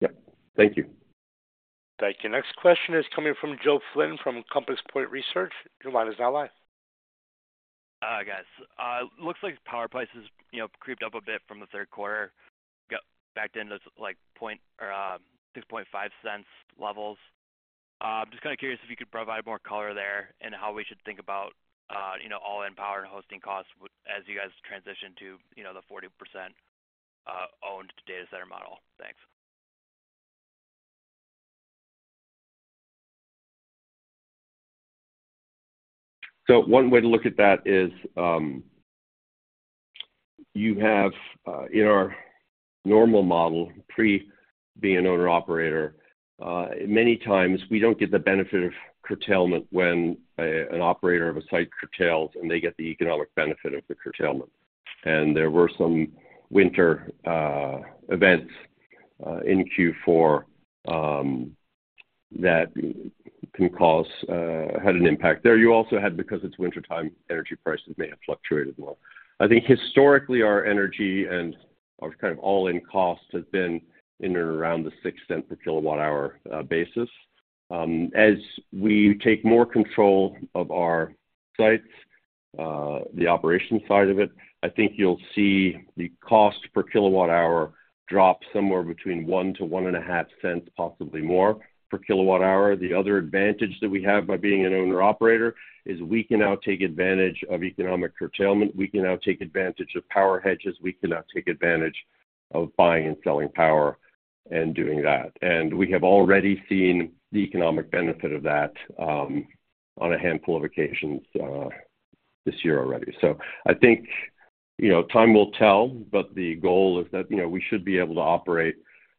Yep. Thank you. Thank you. Next question is coming from Joe Flynn from Compass Point Research. Your line is now live. Hi, guys. Looks like power prices crept up a bit from the third quarter. We got back into $0.065 levels. I'm just kind of curious if you could provide more color there and how we should think about all-in power and hosting costs as you guys transition to the 40% owned data center model. Thanks. So one way to look at that is you have in our normal model, pre-being an owner-operator, many times, we don't get the benefit of curtailment when an operator of a site curtails and they get the economic benefit of the curtailment. And there were some winter events in Q4 that had an impact there. You also had, because it's wintertime, energy prices may have fluctuated more. I think historically, our energy and our kind of all-in cost has been in and around the $0.06/kWh basis. As we take more control of our sites, the operation side of it, I think you'll see the cost per kilowatt hour drop somewhere between $0.01-$0.015, possibly more, per kilowatt hour. The other advantage that we have by being an owner-operator is we can now take advantage of economic curtailment. We can now take advantage of power hedges. We can now take advantage of buying and selling power and doing that. And we have already seen the economic benefit of that on a handful of occasions this year already. So I think time will tell, but the goal is that we should be able to operate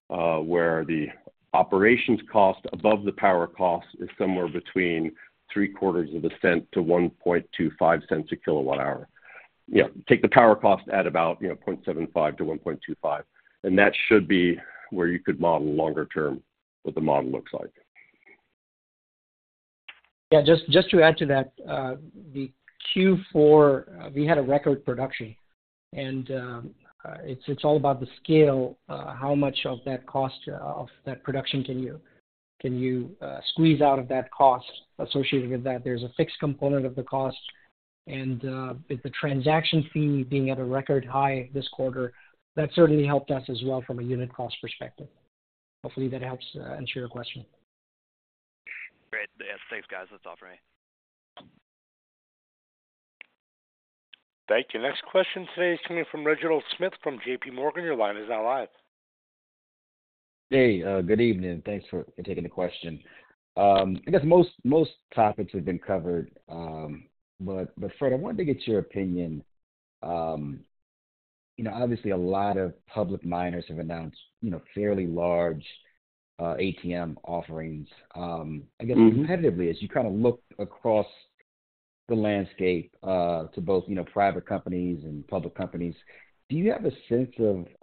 where the operations cost above the power cost is somewhere between $0.0075/kWh-$0.0125/kWh. Take the power cost at about $0.0075-$0.0125. And that should be where you could model longer-term what the model looks like. Yeah. Just to add to that, the Q4, we had a record production. And it's all about the scale, how much of that cost of that production can you squeeze out of that cost associated with that. There's a fixed component of the cost. And with the transaction fee being at a record high this quarter, that certainly helped us as well from a unit cost perspective. Hopefully, that helps answer your question. Great. Yes. Thanks, guys. That's all from me. Thank you. Next question today is coming from Reginald Smith from JPMorgan. Your line is now live. Hey. Good evening. Thanks for taking the question. I guess most topics have been covered. But Fred, I wanted to get your opinion. Obviously, a lot of public miners have announced fairly large ATM offerings. I guess competitively, as you kind of look across the landscape to both private companies and public companies, do you have a sense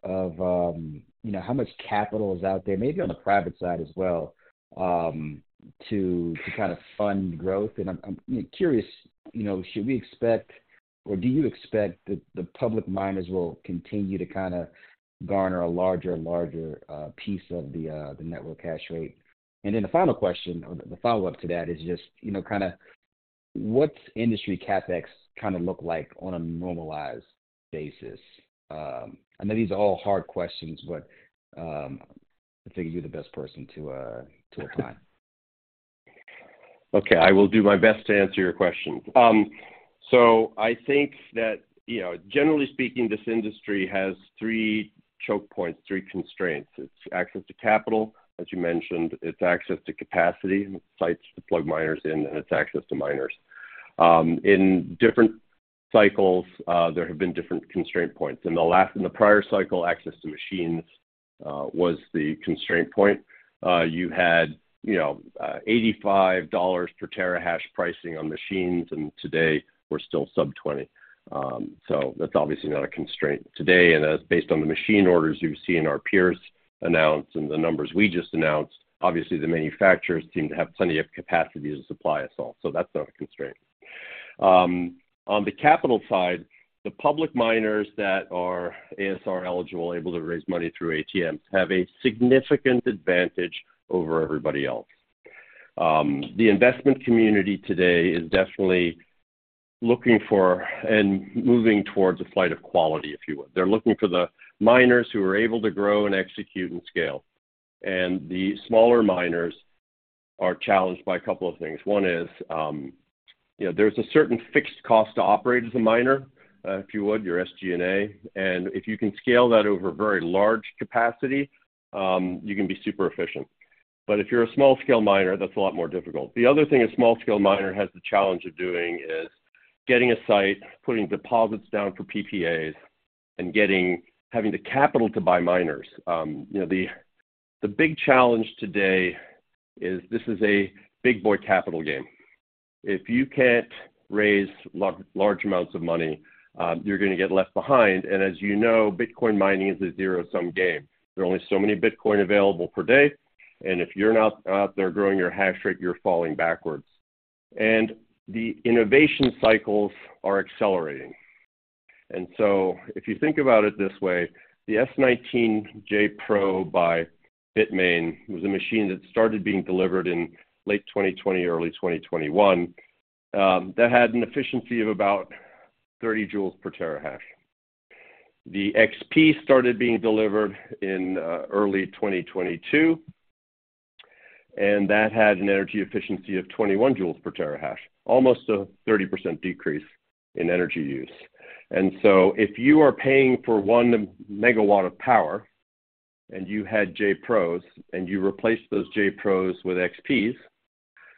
of how much capital is out there, maybe on the private side as well, to kind of fund growth? And I'm curious, should we expect or do you expect that the public miners will continue to kind of garner a larger and larger piece of the network hash rate? And then the final question or the follow-up to that is just kind of what's industry CapEx kind of look like on a normalized basis? I know these are all hard questions, but I figure you're the best person to apply. Okay. I will do my best to answer your questions. So I think that, generally speaking, this industry has three choke points, three constraints. It's access to capital, as you mentioned. It's access to capacity, sites to plug miners in, and it's access to miners. In different cycles, there have been different constraint points. In the prior cycle, access to machines was the constraint point. You had $85 per terahash pricing on machines, and today, we're still sub-20. So that's obviously not a constraint today. And based on the machine orders you've seen our peers announce and the numbers we just announced, obviously, the manufacturers seem to have plenty of capacity to supply us all. So that's not a constraint. On the capital side, the public miners that are ASR eligible, able to raise money through ATMs, have a significant advantage over everybody else. The investment community today is definitely looking for and moving towards a flight of quality, if you would. They're looking for the miners who are able to grow and execute and scale. And the smaller miners are challenged by a couple of things. One is there's a certain fixed cost to operate as a miner, if you would, your SG&A. And if you can scale that over very large capacity, you can be super efficient. But if you're a small-scale miner, that's a lot more difficult. The other thing a small-scale miner has the challenge of doing is getting a site, putting deposits down for PPAs, and having the capital to buy miners. The big challenge today is this is a big boy capital game. If you can't raise large amounts of money, you're going to get left behind. And as you know, Bitcoin mining is a zero-sum game. There are only so many Bitcoin available per day. If you're not out there growing your hash rate, you're falling backwards. The innovation cycles are accelerating. So if you think about it this way, the S19j Pro by BITMAIN was a machine that started being delivered in late 2020, early 2021. That had an efficiency of about 30 joules per terahash. The XP started being delivered in early 2022. That had an energy efficiency of 21 joules per terahash, almost a 30% decrease in energy use. So if you are paying for 1 MW of power and you had j Pros and you replaced those j Pros with XPs,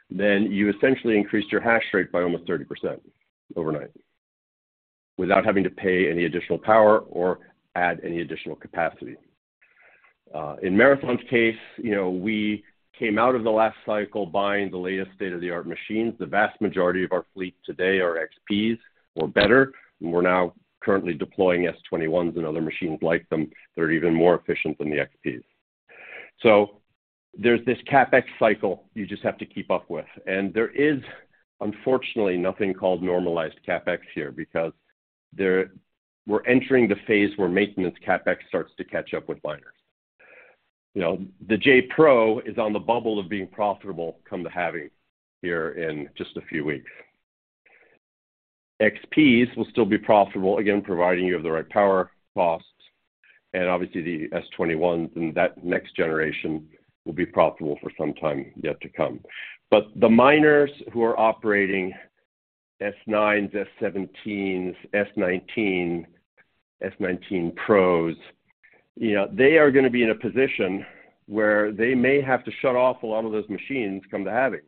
then you essentially increased your hash rate by almost 30% overnight without having to pay any additional power or add any additional capacity. In Marathon's case, we came out of the last cycle buying the latest state-of-the-art machines. The vast majority of our fleet today are XPs or better. And we're now currently deploying S21s and other machines like them that are even more efficient than the XPs. So there's this CapEx cycle you just have to keep up with. And there is, unfortunately, nothing called normalized CapEx here because we're entering the phase where maintenance CapEx starts to catch up with miners. The j Pro is on the bubble of being profitable come the halving here in just a few weeks. XPs will still be profitable, again, providing you have the right power costs. And obviously, the S21s and that next generation will be profitable for some time yet to come. But the miners who are operating S9s, S17s, S19s, S19 Pros, they are going to be in a position where they may have to shut off a lot of those machines come the halving.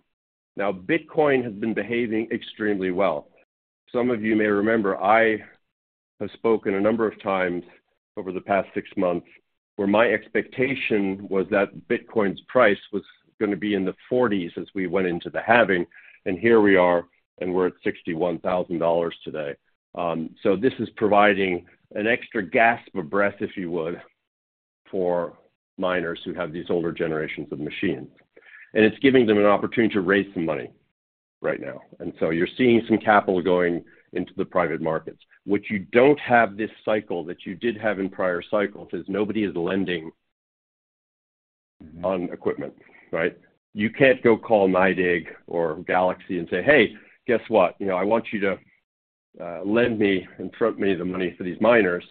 Now, Bitcoin has been behaving extremely well. Some of you may remember, I have spoken a number of times over the past six months where my expectation was that Bitcoin's price was going to be in the 40s as we went into the halving. And here we are, and we're at $61,000 today. So this is providing an extra gasp of breath, if you would, for miners who have these older generations of machines. And it's giving them an opportunity to raise some money right now. And so you're seeing some capital going into the private markets. What you don't have this cycle that you did have in prior cycles is nobody is lending on equipment, right? You can't go call NYDIG or Galaxy and say, "Hey, guess what? I want you to lend me and front me the money for these miners."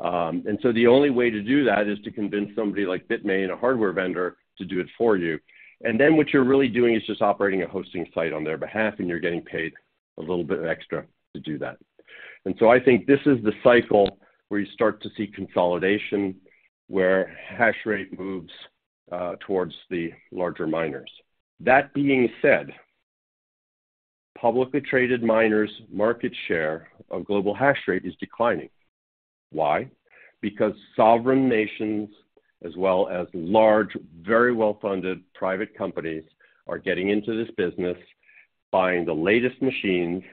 And so the only way to do that is to convince somebody like Bitmain, a hardware vendor, to do it for you. And then what you're really doing is just operating a hosting site on their behalf, and you're getting paid a little bit extra to do that. And so I think this is the cycle where you start to see consolidation, where hash rate moves towards the larger miners. That being said, publicly traded miners' market share of global hash rate is declining. Why? Because sovereign nations as well as large, very well-funded private companies are getting into this business, buying the latest machines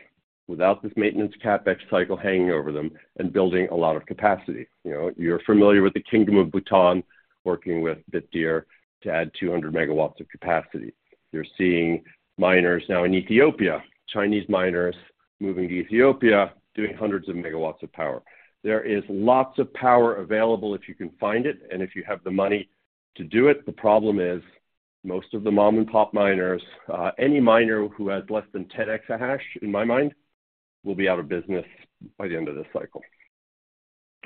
without this maintenance CapEx cycle hanging over them and building a lot of capacity. You're familiar with the Kingdom of Bhutan working with Bitdeer to add 200 MW of capacity. You're seeing miners now in Ethiopia, Chinese miners moving to Ethiopia, doing hundreds of megawatts of power. There is lots of power available if you can find it and if you have the money to do it. The problem is most of the mom-and-pop miners, any miner who has less than 10 EH/s, in my mind, will be out of business by the end of this cycle.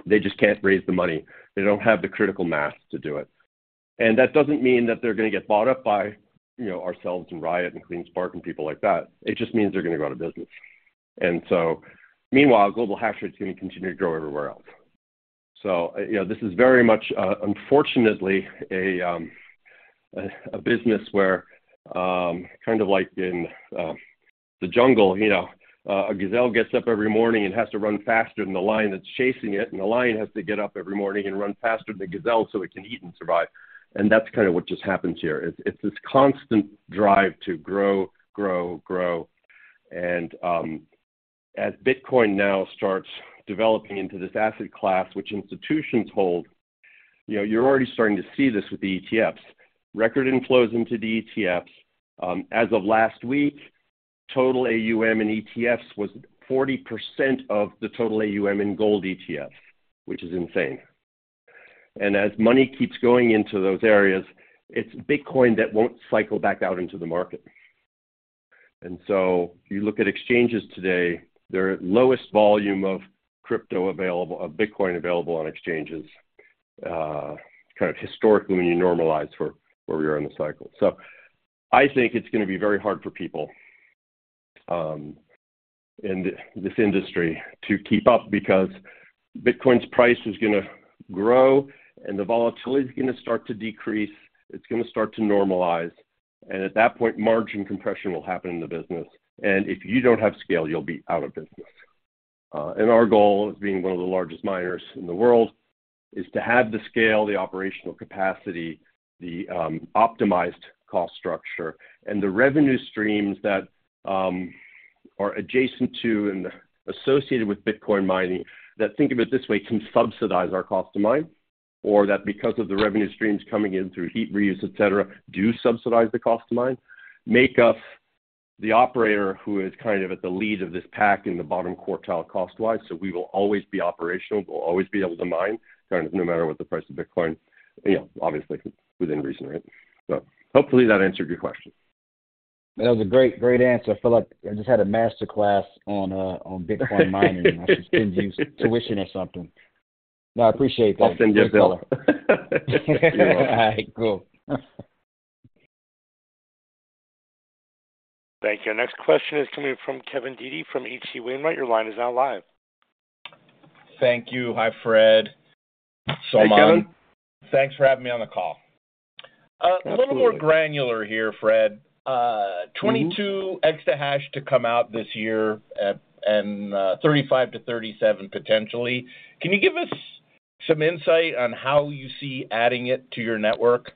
They just can't raise the money. They don't have the critical mass to do it. And that doesn't mean that they're going to get bought up by ourselves and Riot and CleanSpark and people like that. It just means they're going to go out of business. And so meanwhile, global hash rate is going to continue to grow everywhere else. So this is very much, unfortunately, a business where kind of like in the jungle, a gazelle gets up every morning and has to run faster than the lion that's chasing it. And the lion has to get up every morning and run faster than the gazelle so it can eat and survive. And that's kind of what just happens here. It's this constant drive to grow, grow, grow. And as Bitcoin now starts developing into this asset class which institutions hold, you're already starting to see this with the ETFs. Record inflows into the ETFs. As of last week, total AUM in ETFs was 40% of the total AUM in gold ETFs, which is insane. And as money keeps going into those areas, it's Bitcoin that won't cycle back out into the market. And so you look at exchanges today, their lowest volume of Bitcoin available on exchanges, kind of historically when you normalize for where we are in the cycle. So I think it's going to be very hard for people in this industry to keep up because Bitcoin's price is going to grow, and the volatility is going to start to decrease. It's going to start to normalize. And at that point, margin compression will happen in the business. And if you don't have scale, you'll be out of business. Our goal, as being one of the largest miners in the world, is to have the scale, the operational capacity, the optimized cost structure, and the revenue streams that are adjacent to and associated with Bitcoin mining that, think of it this way, can subsidize our cost to mine or that, because of the revenue streams coming in through heat reuse, etc., do subsidize the cost to mine, make us the operator who is kind of at the lead of this pack in the bottom quartile cost-wise so we will always be operational, we'll always be able to mine, kind of no matter what the price of Bitcoin, obviously, within reason, right? So hopefully, that answered your question. That was a great answer. I feel like I just had a masterclass on Bitcoin mining. I should send you tuition or something. No, I appreciate that. I'll send you a bill. All right. Cool. Thank you. Our next question is coming from Kevin Dede from H.C. Wainwright. Your line is now live. Thank you. Hi, Fred, Salman. Hey, Kevin. Thanks for having me on the call. A little more granular here, Fred. 22 EH/s to come out this year and 35-37 potentially. Can you give us some insight on how you see adding it to your network?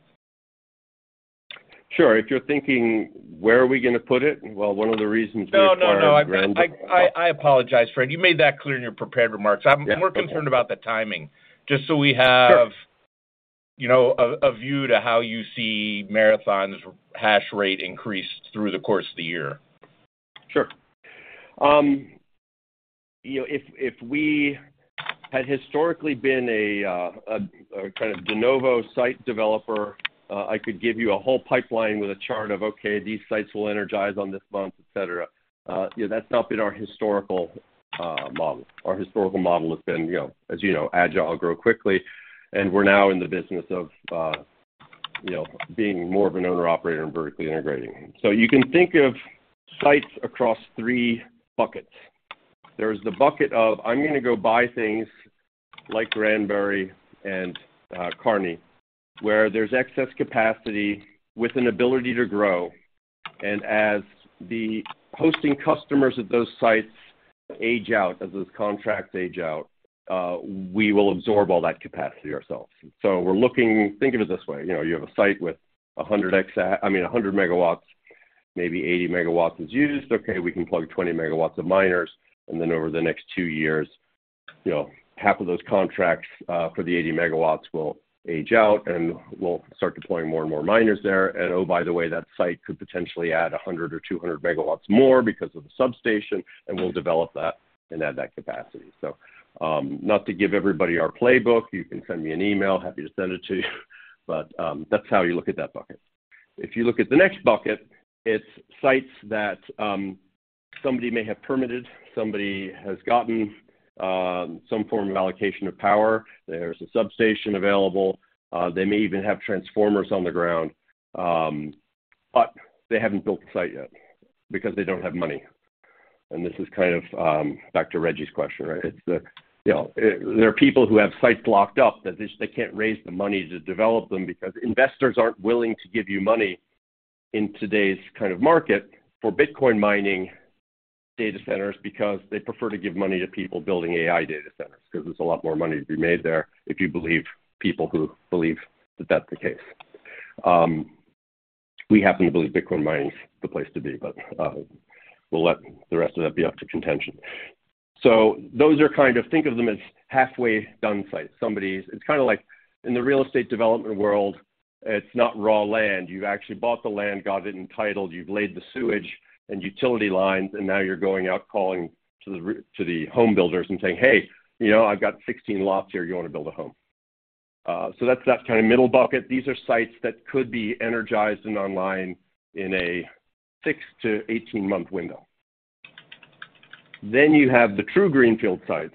Sure. If you're thinking, "Where are we going to put it?" Well, one of the reasons we acquire. No, no, no. I apologize, Fred. You made that clear in your prepared remarks. I'm more concerned about the timing just so we have a view to how you see Marathon's hash rate increase through the course of the year. Sure. If we had historically been a kind of de novo site developer, I could give you a whole pipeline with a chart of, "Okay, these sites will energize on this month," etc. That's not been our historical model. Our historical model has been, as you know, agile, grow quickly. And we're now in the business of being more of an owner-operator and vertically integrating. So you can think of sites across three buckets. There's the bucket of, "I'm going to go buy things like Granbury and Kearney," where there's excess capacity with an ability to grow. And as the hosting customers of those sites age out, as those contracts age out, we will absorb all that capacity ourselves. So think of it this way. You have a site with 100x, I mean, 100 MW. Maybe 80 MW is used. Okay, we can plug 20 MW of miners. Then over the next two years, half of those contracts for the 80 MW will age out, and we'll start deploying more and more miners there. And oh, by the way, that site could potentially add 100 or 200 MW more because of the substation. And we'll develop that and add that capacity. So not to give everybody our playbook, you can send me an email. Happy to send it to you. But that's how you look at that bucket. If you look at the next bucket, it's sites that somebody may have permitted, somebody has gotten some form of allocation of power. There's a substation available. They may even have transformers on the ground. But they haven't built the site yet because they don't have money. And this is kind of back to Reggie's question, right? There are people who have sites locked up that they can't raise the money to develop them because investors aren't willing to give you money in today's kind of market for Bitcoin mining data centers because they prefer to give money to people building AI data centers because there's a lot more money to be made there if you believe people who believe that that's the case. We happen to believe Bitcoin mining's the place to be, but we'll let the rest of that be up to contention. So those are kind of think of them as halfway done sites. It's kind of like in the real estate development world, it's not raw land. You've actually bought the land, got it entitled. You've laid the sewage and utility lines. And now you're going out calling to the home builders and saying, "Hey, I've got 16 lots here. You want to build a home?" So that's that kind of middle bucket. These are sites that could be energized and online in a 6-18-month window. Then you have the true greenfield sites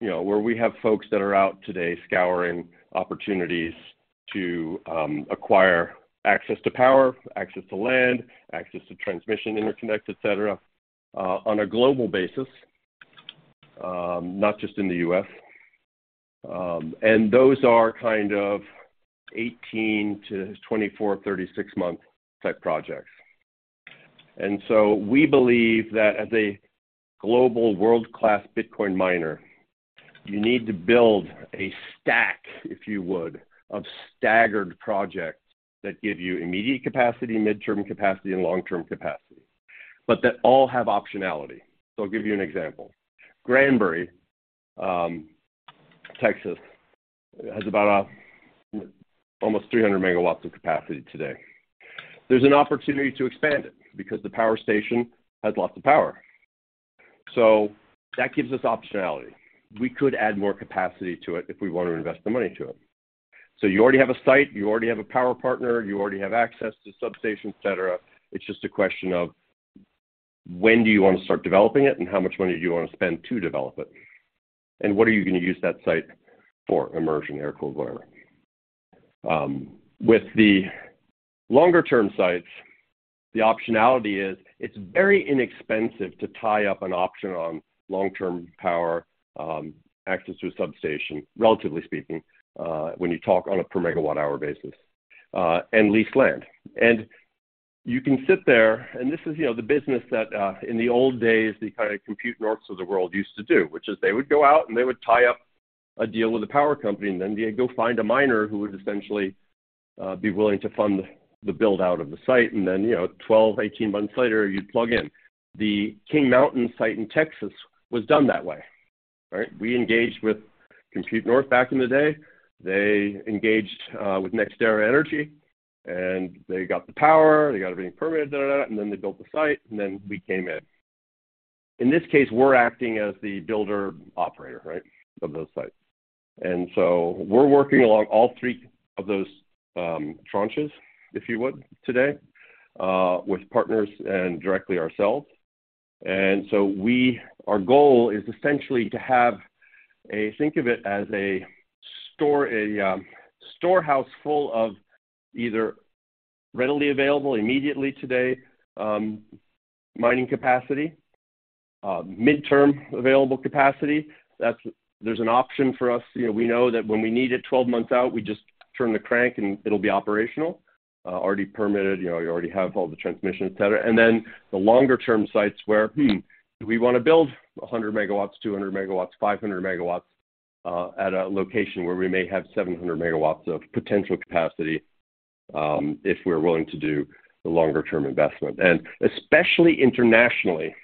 where we have folks that are out today scouring opportunities to acquire access to power, access to land, access to transmission interconnect, etc., on a global basis, not just in the U.S. And those are kind of 18-24, 36-month type projects. And so we believe that as a global, world-class Bitcoin miner, you need to build a stack, if you would, of staggered projects that give you immediate capacity, midterm capacity, and long-term capacity but that all have optionality. So I'll give you an example. Granbury, Texas, has about almost 300 MW of capacity today. There's an opportunity to expand it because the power station has lots of power. So that gives us optionality. We could add more capacity to it if we want to invest the money to it. So you already have a site. You already have a power partner. You already have access to substation, etc. It's just a question of when do you want to start developing it, and how much money do you want to spend to develop it? And what are you going to use that site for, immersion, air cool, whatever? With the longer-term sites, the optionality is it's very inexpensive to tie up an option on long-term power, access to a substation, relatively speaking, when you talk on a per-megawatt-hour basis, and lease land. You can sit there and this is the business that in the old days, the kind of Compute North of the world used to do, which is they would go out, and they would tie up a deal with a power company. And then they'd go find a miner who would essentially be willing to fund the build-out of the site. And then 12-18 months later, you'd plug in. The King Mountain site in Texas was done that way, right? We engaged with Compute North back in the day. They engaged with NextEra Energy. And they got the power. They got everything permitted, da da da. And then they built the site. And then we came in. In this case, we're acting as the builder-operator, right, of those sites. And so we're working along all three of those tranches, if you would, today with partners and directly ourselves. And so our goal is essentially to have—think of it as a storehouse full of either readily available, immediately today, mining capacity, midterm available capacity. There's an option for us. We know that when we need it 12 months out, we just turn the crank, and it'll be operational, already permitted. You already have all the transmission, etc. And then the longer-term sites where, do we want to build 100 MW, 200 MW, 500 MW at a location where we may have 700 MW of potential capacity if we're willing to do the longer-term investment? And especially internationally,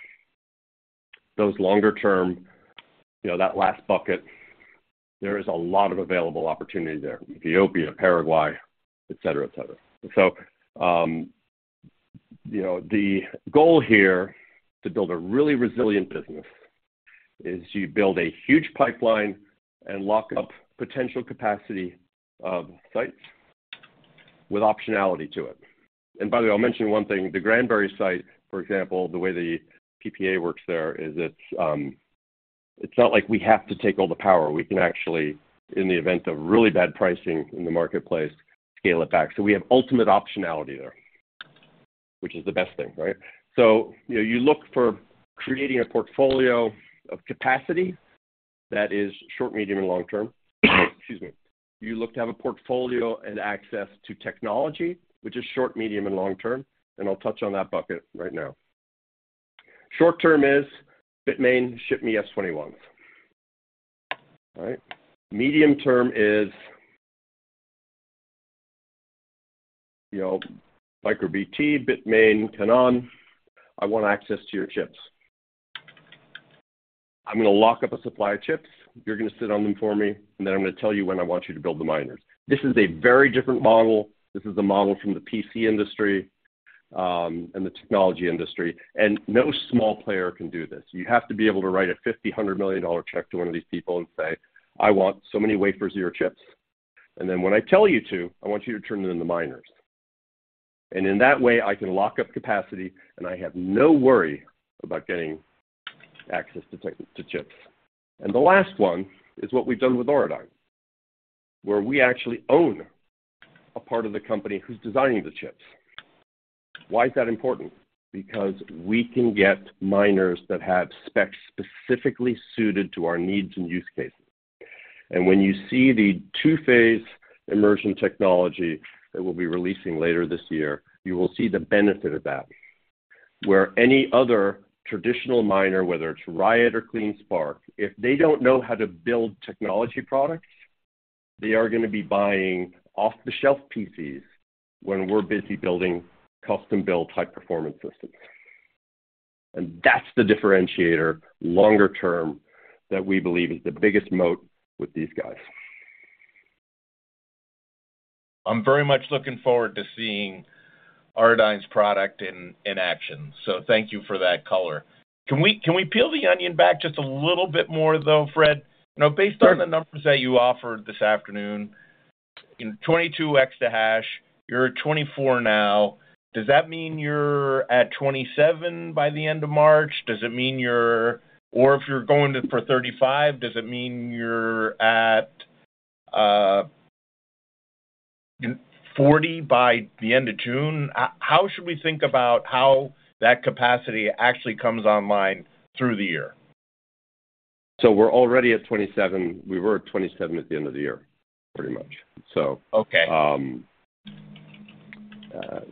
those longer-term, that last bucket, there is a lot of available opportunity there: Ethiopia, Paraguay, etc., etc. So the goal here to build a really resilient business is you build a huge pipeline and lock up potential capacity of sites with optionality to it. And by the way, I'll mention one thing. The Granbury site, for example, the way the PPA works there is it's not like we have to take all the power. We can actually, in the event of really bad pricing in the marketplace, scale it back. So we have ultimate optionality there, which is the best thing, right? So you look for creating a portfolio of capacity that is short, medium, and long-term. Excuse me. You look to have a portfolio and access to technology, which is short, medium, and long-term. And I'll touch on that bucket right now. Short-term is Bitmain, ship me S21s, all right? Medium-term is MicroBT, Bitmain, Canaan. I want access to your chips. I'm going to lock up a supply of chips. You're going to sit on them for me. And then I'm going to tell you when I want you to build the miners. This is a very different model. This is a model from the PC industry and the technology industry. No small player can do this. You have to be able to write a $50-$100 million check to one of these people and say, "I want so many wafers of your chips. And then when I tell you to, I want you to turn it into miners." And in that way, I can lock up capacity, and I have no worry about getting access to chips. The last one is what we've done with Auradine, where we actually own a part of the company who's designing the chips. Why is that important? Because we can get miners that have specs specifically suited to our needs and use cases. When you see the two-phase immersion technology that we'll be releasing later this year, you will see the benefit of that where any other traditional miner, whether it's Riot or CleanSpark, if they don't know how to build technology products, they are going to be buying off-the-shelf PCs when we're busy building custom-built high-performance systems. And that's the differentiator, longer-term, that we believe is the biggest moat with these guys. I'm very much looking forward to seeing Auradine's product in action. So thank you for that color. Can we peel the onion back just a little bit more, though, Fred? Based on the numbers that you offered this afternoon, 22 EH/s, you're at 24 now. Does that mean you're at 27 by the end of March? Does it mean you're or if you're going for 35, does it mean you're at 40 by the end of June? How should we think about how that capacity actually comes online through the year? So we're already at 27. We were at 27 at the end of the year, pretty much, so.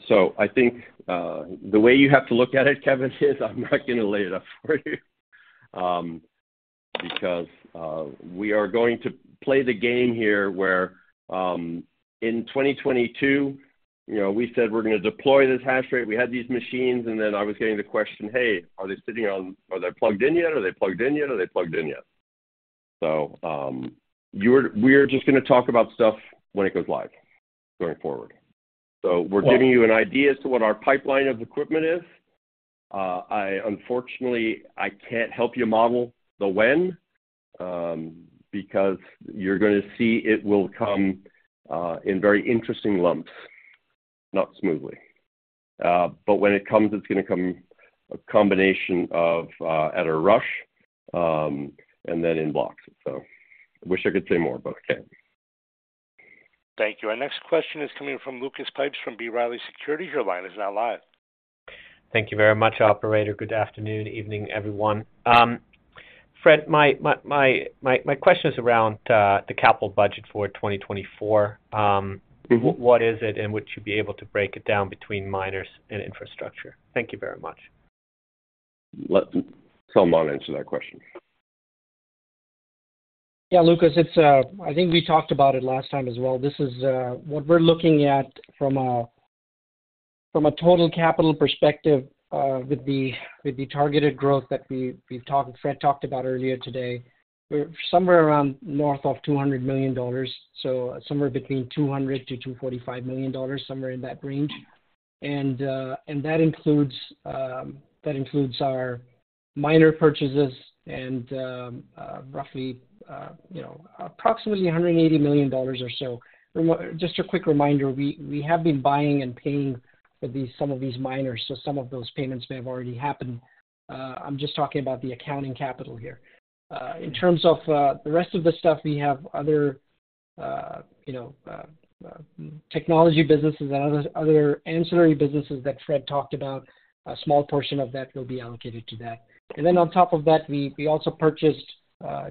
So I think the way you have to look at it, Kevin, is I'm not going to lay it up for you because we are going to play the game here where in 2022, we said we're going to deploy this hash rate. We had these machines. And then I was getting the question, "Hey, are they sitting on are they plugged in yet? Are they plugged in yet? Are they plugged in yet?" So we are just going to talk about stuff when it goes live going forward. So we're giving you an idea as to what our pipeline of equipment is. Unfortunately, I can't help you model the when because you're going to see it will come in very interesting lumps, not smoothly. But when it comes, it's going to come a combination of at a rush and then in blocks, so. I wish I could say more, but I can't. Thank you. Our next question is coming from Lucas Pipes from B. Riley Securities. Your line is now live. Thank you very much, operator. Good afternoon, evening, everyone. Fred, my question is around the capital budget for 2024. What is it, and would you be able to break it down between miners and infrastructure? Thank you very much. Let Salman answer that question. Yeah, Lucas, I think we talked about it last time as well. What we're looking at from a total capital perspective with the targeted growth that Fred talked about earlier today, we're somewhere around north of $200 million, so somewhere between $200 million-$245 million, somewhere in that range. And that includes our miner purchases and roughly approximately $180 million or so. Just a quick reminder, we have been buying and paying for some of these miners. So some of those payments may have already happened. I'm just talking about the accounting capital here. In terms of the rest of the stuff, we have other technology businesses and other ancillary businesses that Fred talked about. A small portion of that will be allocated to that. And then on top of that, we also purchased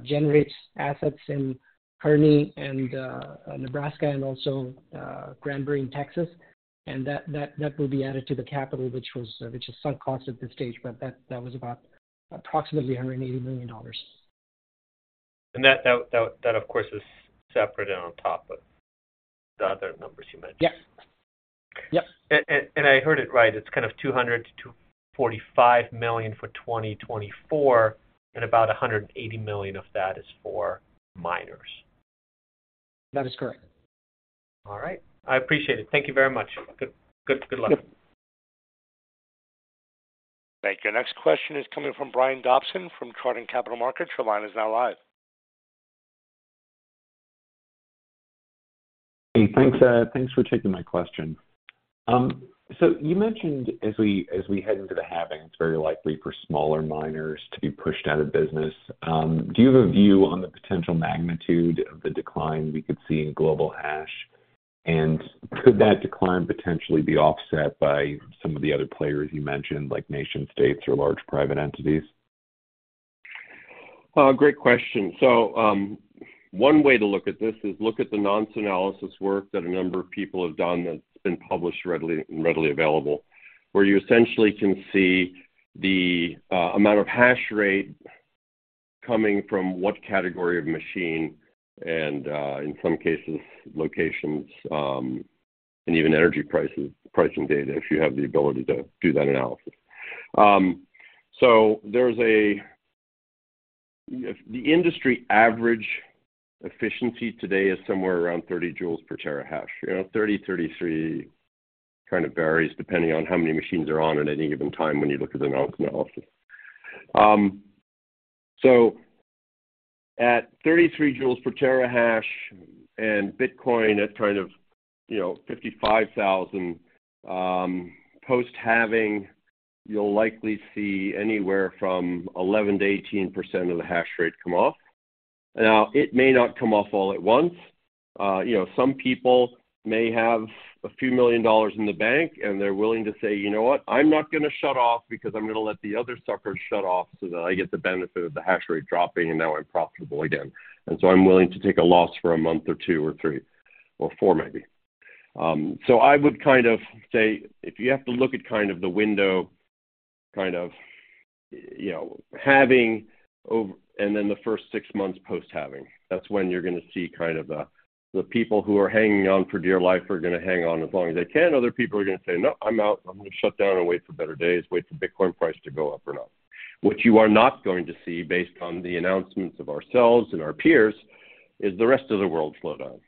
Generate's assets in Kearney, Nebraska and also Granbury, Texas. That will be added to the capital, which is sunk cost at this stage. That was about approximately $180 million. That, of course, is separate and on top of the other numbers you mentioned. Yep. Yep. I heard it right. It's kind of $200 million-$245 million for 2024, and about $180 million of that is for miners. That is correct. All right. I appreciate it. Thank you very much. Good luck. Thank you. Next question is coming from Brian Dobson from Chardan Capital Markets. Your line is now live. Hey, thanks for taking my question. So you mentioned as we head into the halving, it's very likely for smaller miners to be pushed out of business. Do you have a view on the potential magnitude of the decline we could see in global hash? And could that decline potentially be offset by some of the other players you mentioned, like nation-states or large private entities? Great question. So one way to look at this is look at the nonce analysis work that a number of people have done that's been published readily and readily available, where you essentially can see the amount of hash rate coming from what category of machine and, in some cases, locations and even energy pricing data if you have the ability to do that analysis. So the industry average efficiency today is somewhere around 30 joules per terahash. 30, 33 kind of varies depending on how many machines are on at any given time when you look at the nonce analysis. So at 33 joules per terahash and Bitcoin at kind of 55,000 post-halving, you'll likely see anywhere from 11%-18% of the hash rate come off. Now, it may not come off all at once. Some people may have a few million dollars in the bank, and they're willing to say, "You know what? I'm not going to shut off because I'm going to let the other suckers shut off so that I get the benefit of the hash rate dropping, and now I'm profitable again. And so I'm willing to take a loss for a month or two or three or four, maybe." So I would kind of say if you have to look at kind of the window, kind of halving and then the first six months post-halving, that's when you're going to see kind of the people who are hanging on for dear life are going to hang on as long as they can. Other people are going to say, "No, I'm out. I'm going to shut down and wait for better days, wait for Bitcoin price to go up or not." What you are not going to see based on the announcements of ourselves and our peers is the rest of the world slow down.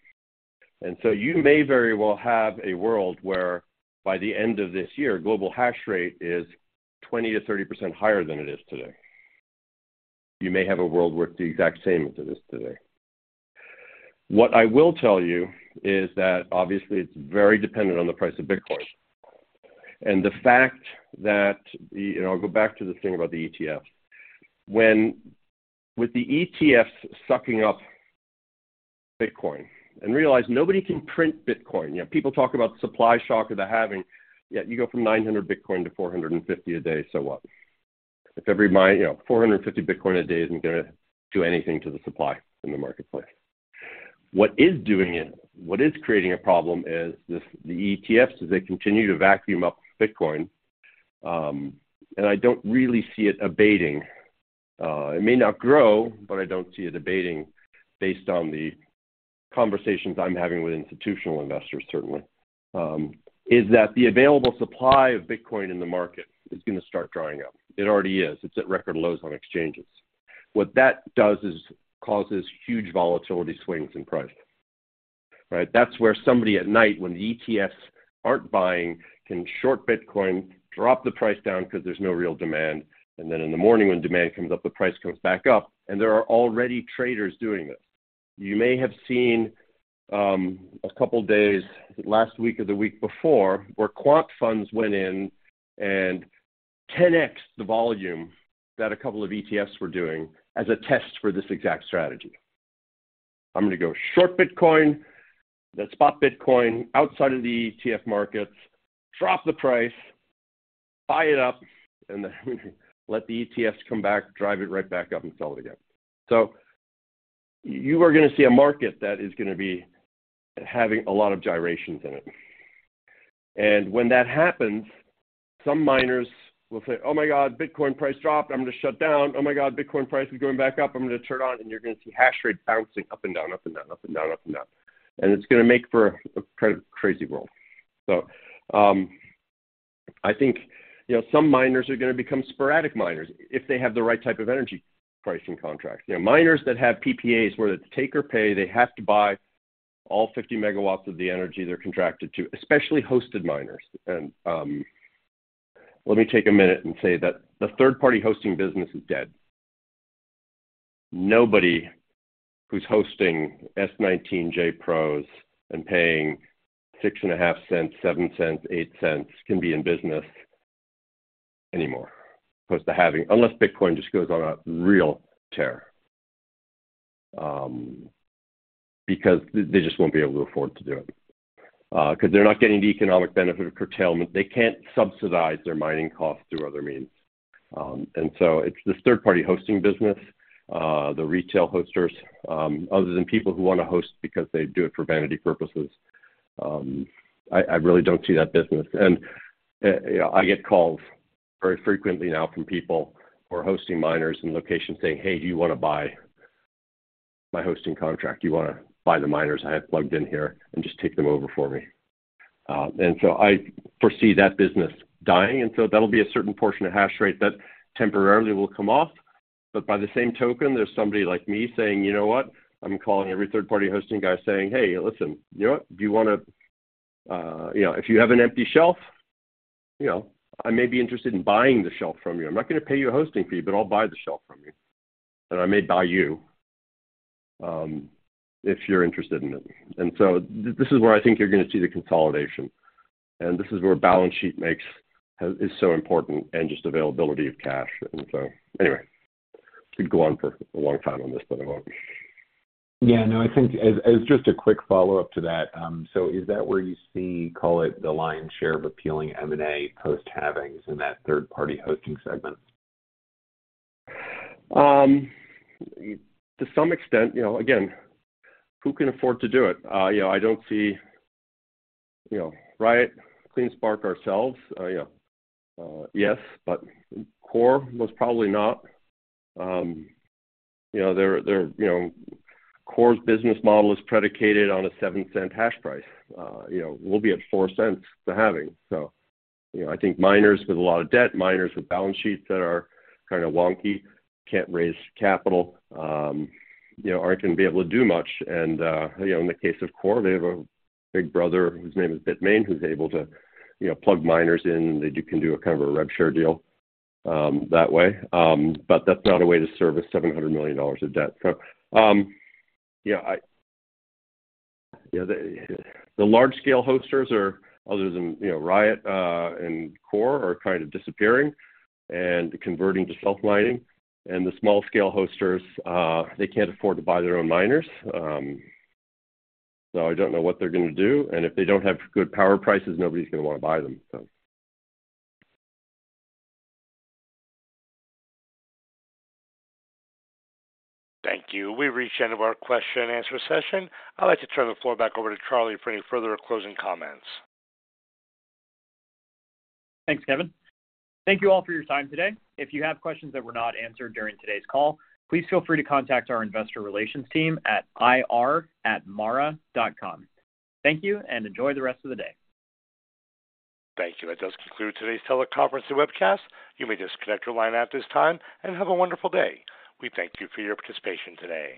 And so you may very well have a world where, by the end of this year, global hash rate is 20%-30% higher than it is today. You may have a world where it's the exact same as it is today. What I will tell you is that, obviously, it's very dependent on the price of Bitcoin. And the fact that I'll go back to the thing about the ETFs. With the ETFs sucking up Bitcoin and realize nobody can print Bitcoin people talk about supply shock or the halving. Yeah, you go from 900 Bitcoin to 450 Bitcoin a day. So what? If 450 Bitcoin a day isn't going to do anything to the supply in the marketplace. What is doing it, what is creating a problem is the ETFs, as they continue to vacuum up Bitcoin. And I don't really see it abating. It may not grow, but I don't see it abating based on the conversations I'm having with institutional investors, certainly, is that the available supply of Bitcoin in the market is going to start drying up. It already is. It's at record lows on exchanges. What that does is causes huge volatility swings in price, right? That's where somebody at night, when the ETFs aren't buying, can short Bitcoin, drop the price down because there's no real demand. And then in the morning, when demand comes up, the price comes back up. And there are already traders doing this. You may have seen a couple of days last week or the week before, where quant funds went in and 10x the volume that a couple of ETFs were doing as a test for this exact strategy. I'm going to go short Bitcoin, then spot Bitcoin outside of the ETF markets, drop the price, buy it up, and then let the ETFs come back, drive it right back up, and sell it again. You are going to see a market that is going to be having a lot of gyrations in it. When that happens, some miners will say, "Oh my God, Bitcoin price dropped. I'm going to shut down. Oh my God, Bitcoin price is going back up. I'm going to turn on." You are going to see hash rate bouncing up and down, up and down, up and down, up and down. It's going to make for a crazy world. I think some miners are going to become sporadic miners if they have the right type of energy pricing contracts. Miners that have PPAs where it's take or pay, they have to buy all 50 MW of the energy they're contracted to, especially hosted miners. Let me take a minute and say that the third-party hosting business is dead. Nobody who's hosting S19j Pros and paying $0.065, $0.07, $0.08 can be in business anymore post-halving unless Bitcoin just goes on a real tear because they just won't be able to afford to do it because they're not getting the economic benefit of curtailment. They can't subsidize their mining costs through other means. It's this third-party hosting business, the retail hosters, other than people who want to host because they do it for vanity purposes. I really don't see that business. And I get calls very frequently now from people who are hosting miners in locations saying, "Hey, do you want to buy my hosting contract? Do you want to buy the miners I have plugged in here and just take them over for me?" And so I foresee that business dying. And so that'll be a certain portion of hash rate that temporarily will come off. But by the same token, there's somebody like me saying, "You know what?" I'm calling every third-party hosting guy saying, "Hey, listen. You know what? Do you want to if you have an empty shelf, I may be interested in buying the shelf from you. I'm not going to pay you a hosting fee, but I'll buy the shelf from you. And I may buy you if you're interested in it." And so this is where I think you're going to see the consolidation. And this is where balance sheet is so important and just availability of cash. And so anyway, I could go on for a long time on this, but I won't. Yeah. No, I think as just a quick follow-up to that, so is that where you see, call it the lion's share of appealing M&A post-halvings in that third-party hosting segment? To some extent, again, who can afford to do it? I don't see Riot, CleanSpark, ourselves, yes, but Core, most probably not. Core's business model is predicated on a $0.07 hash price. We'll be at $0.04 the halving. So I think miners with a lot of debt, miners with balance sheets that are kind of wonky, can't raise capital, aren't going to be able to do much. And in the case of Core, they have a big brother whose name is Bitmain who's able to plug miners in. They can do kind of a rev share deal that way. But that's not a way to service $700 million of debt. So yeah, the large-scale hosters, other than Riot and Core, are kind of disappearing and converting to self-mining. And the small-scale hosters, they can't afford to buy their own miners. So I don't know what they're going to do. And if they don't have good power prices, nobody's going to want to buy them, so. Thank you. We've reached the end of our question-and-answer session. I'd like to turn the floor back over to Charlie for any further or closing comments. Thanks, Kevin. Thank you all for your time today. If you have questions that were not answered during today's call, please feel free to contact our investor relations team at ir@mara.com. Thank you, and enjoy the rest of the day. Thank you. That does conclude today's teleconference and webcast. You may disconnect your line at this time and have a wonderful day. We thank you for your participation today.